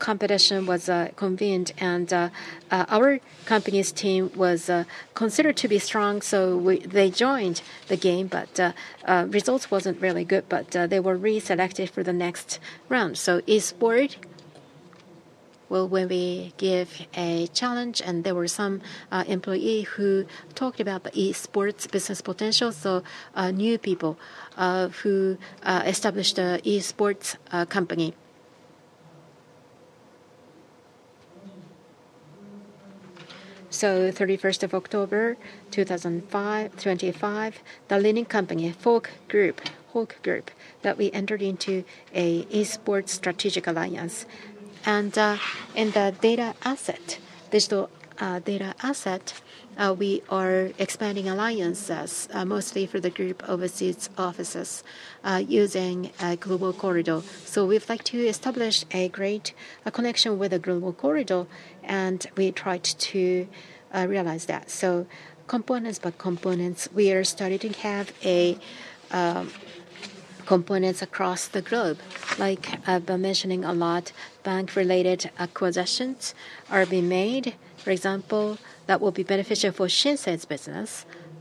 A: competition was convened. Our company's team was considered to be strong, so they joined the game, but the result wasn't really good, but they were reselected for the next round. e-Sports, well, when we give a challenge, and there were some employees who talked about the e-Sports business potential, so new people who established an e-Sports company. So 31st of October 2025, the leading company, HAWKS Group, that we entered into an e-Sports Strategic Alliance. And in the data asset, digital data asset, we are expanding alliances mostly for the group overseas offices using a global corridor. So we'd like to establish a great connection with a global corridor, and we tried to realize that. So components, we are starting to have components across the globe. Like I've been mentioning a lot, bank-related acquisitions are being made, for example, that will be beneficial for Shinsei’s business,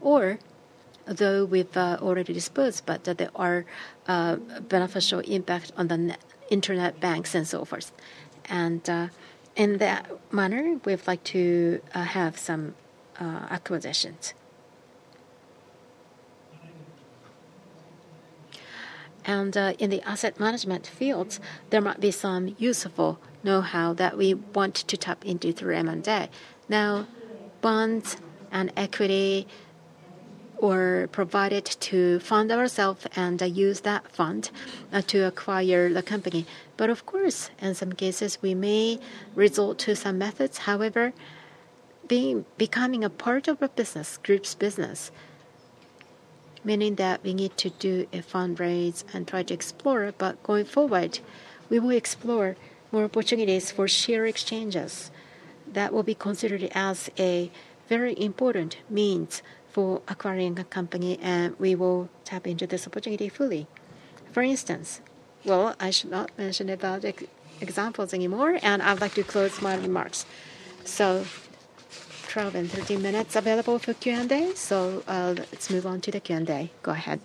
A: although we've already disposed, but there are beneficial impacts on the internet banks and so forth. And in that manner, we'd like to have some acquisitions. And in the Asset Management fields, there might be some useful know-how that we want to tap into through M&A. Now, bonds and equity are provided to fund ourselves and use that fund to acquire the company. But of course, in some cases, we may result in some methods. However, becoming a part of a business group's business, meaning that we need to do fundraise and try to explore. But going forward, we will explore more opportunities for share exchanges that will be considered as a very important means for acquiring a company, and we will tap into this opportunity fully. For instance, well, I should not mention about examples anymore, and I'd like to close my remarks. So 12 and 13 minutes available for Q&A. So let's move on to the Q&A. Go ahead.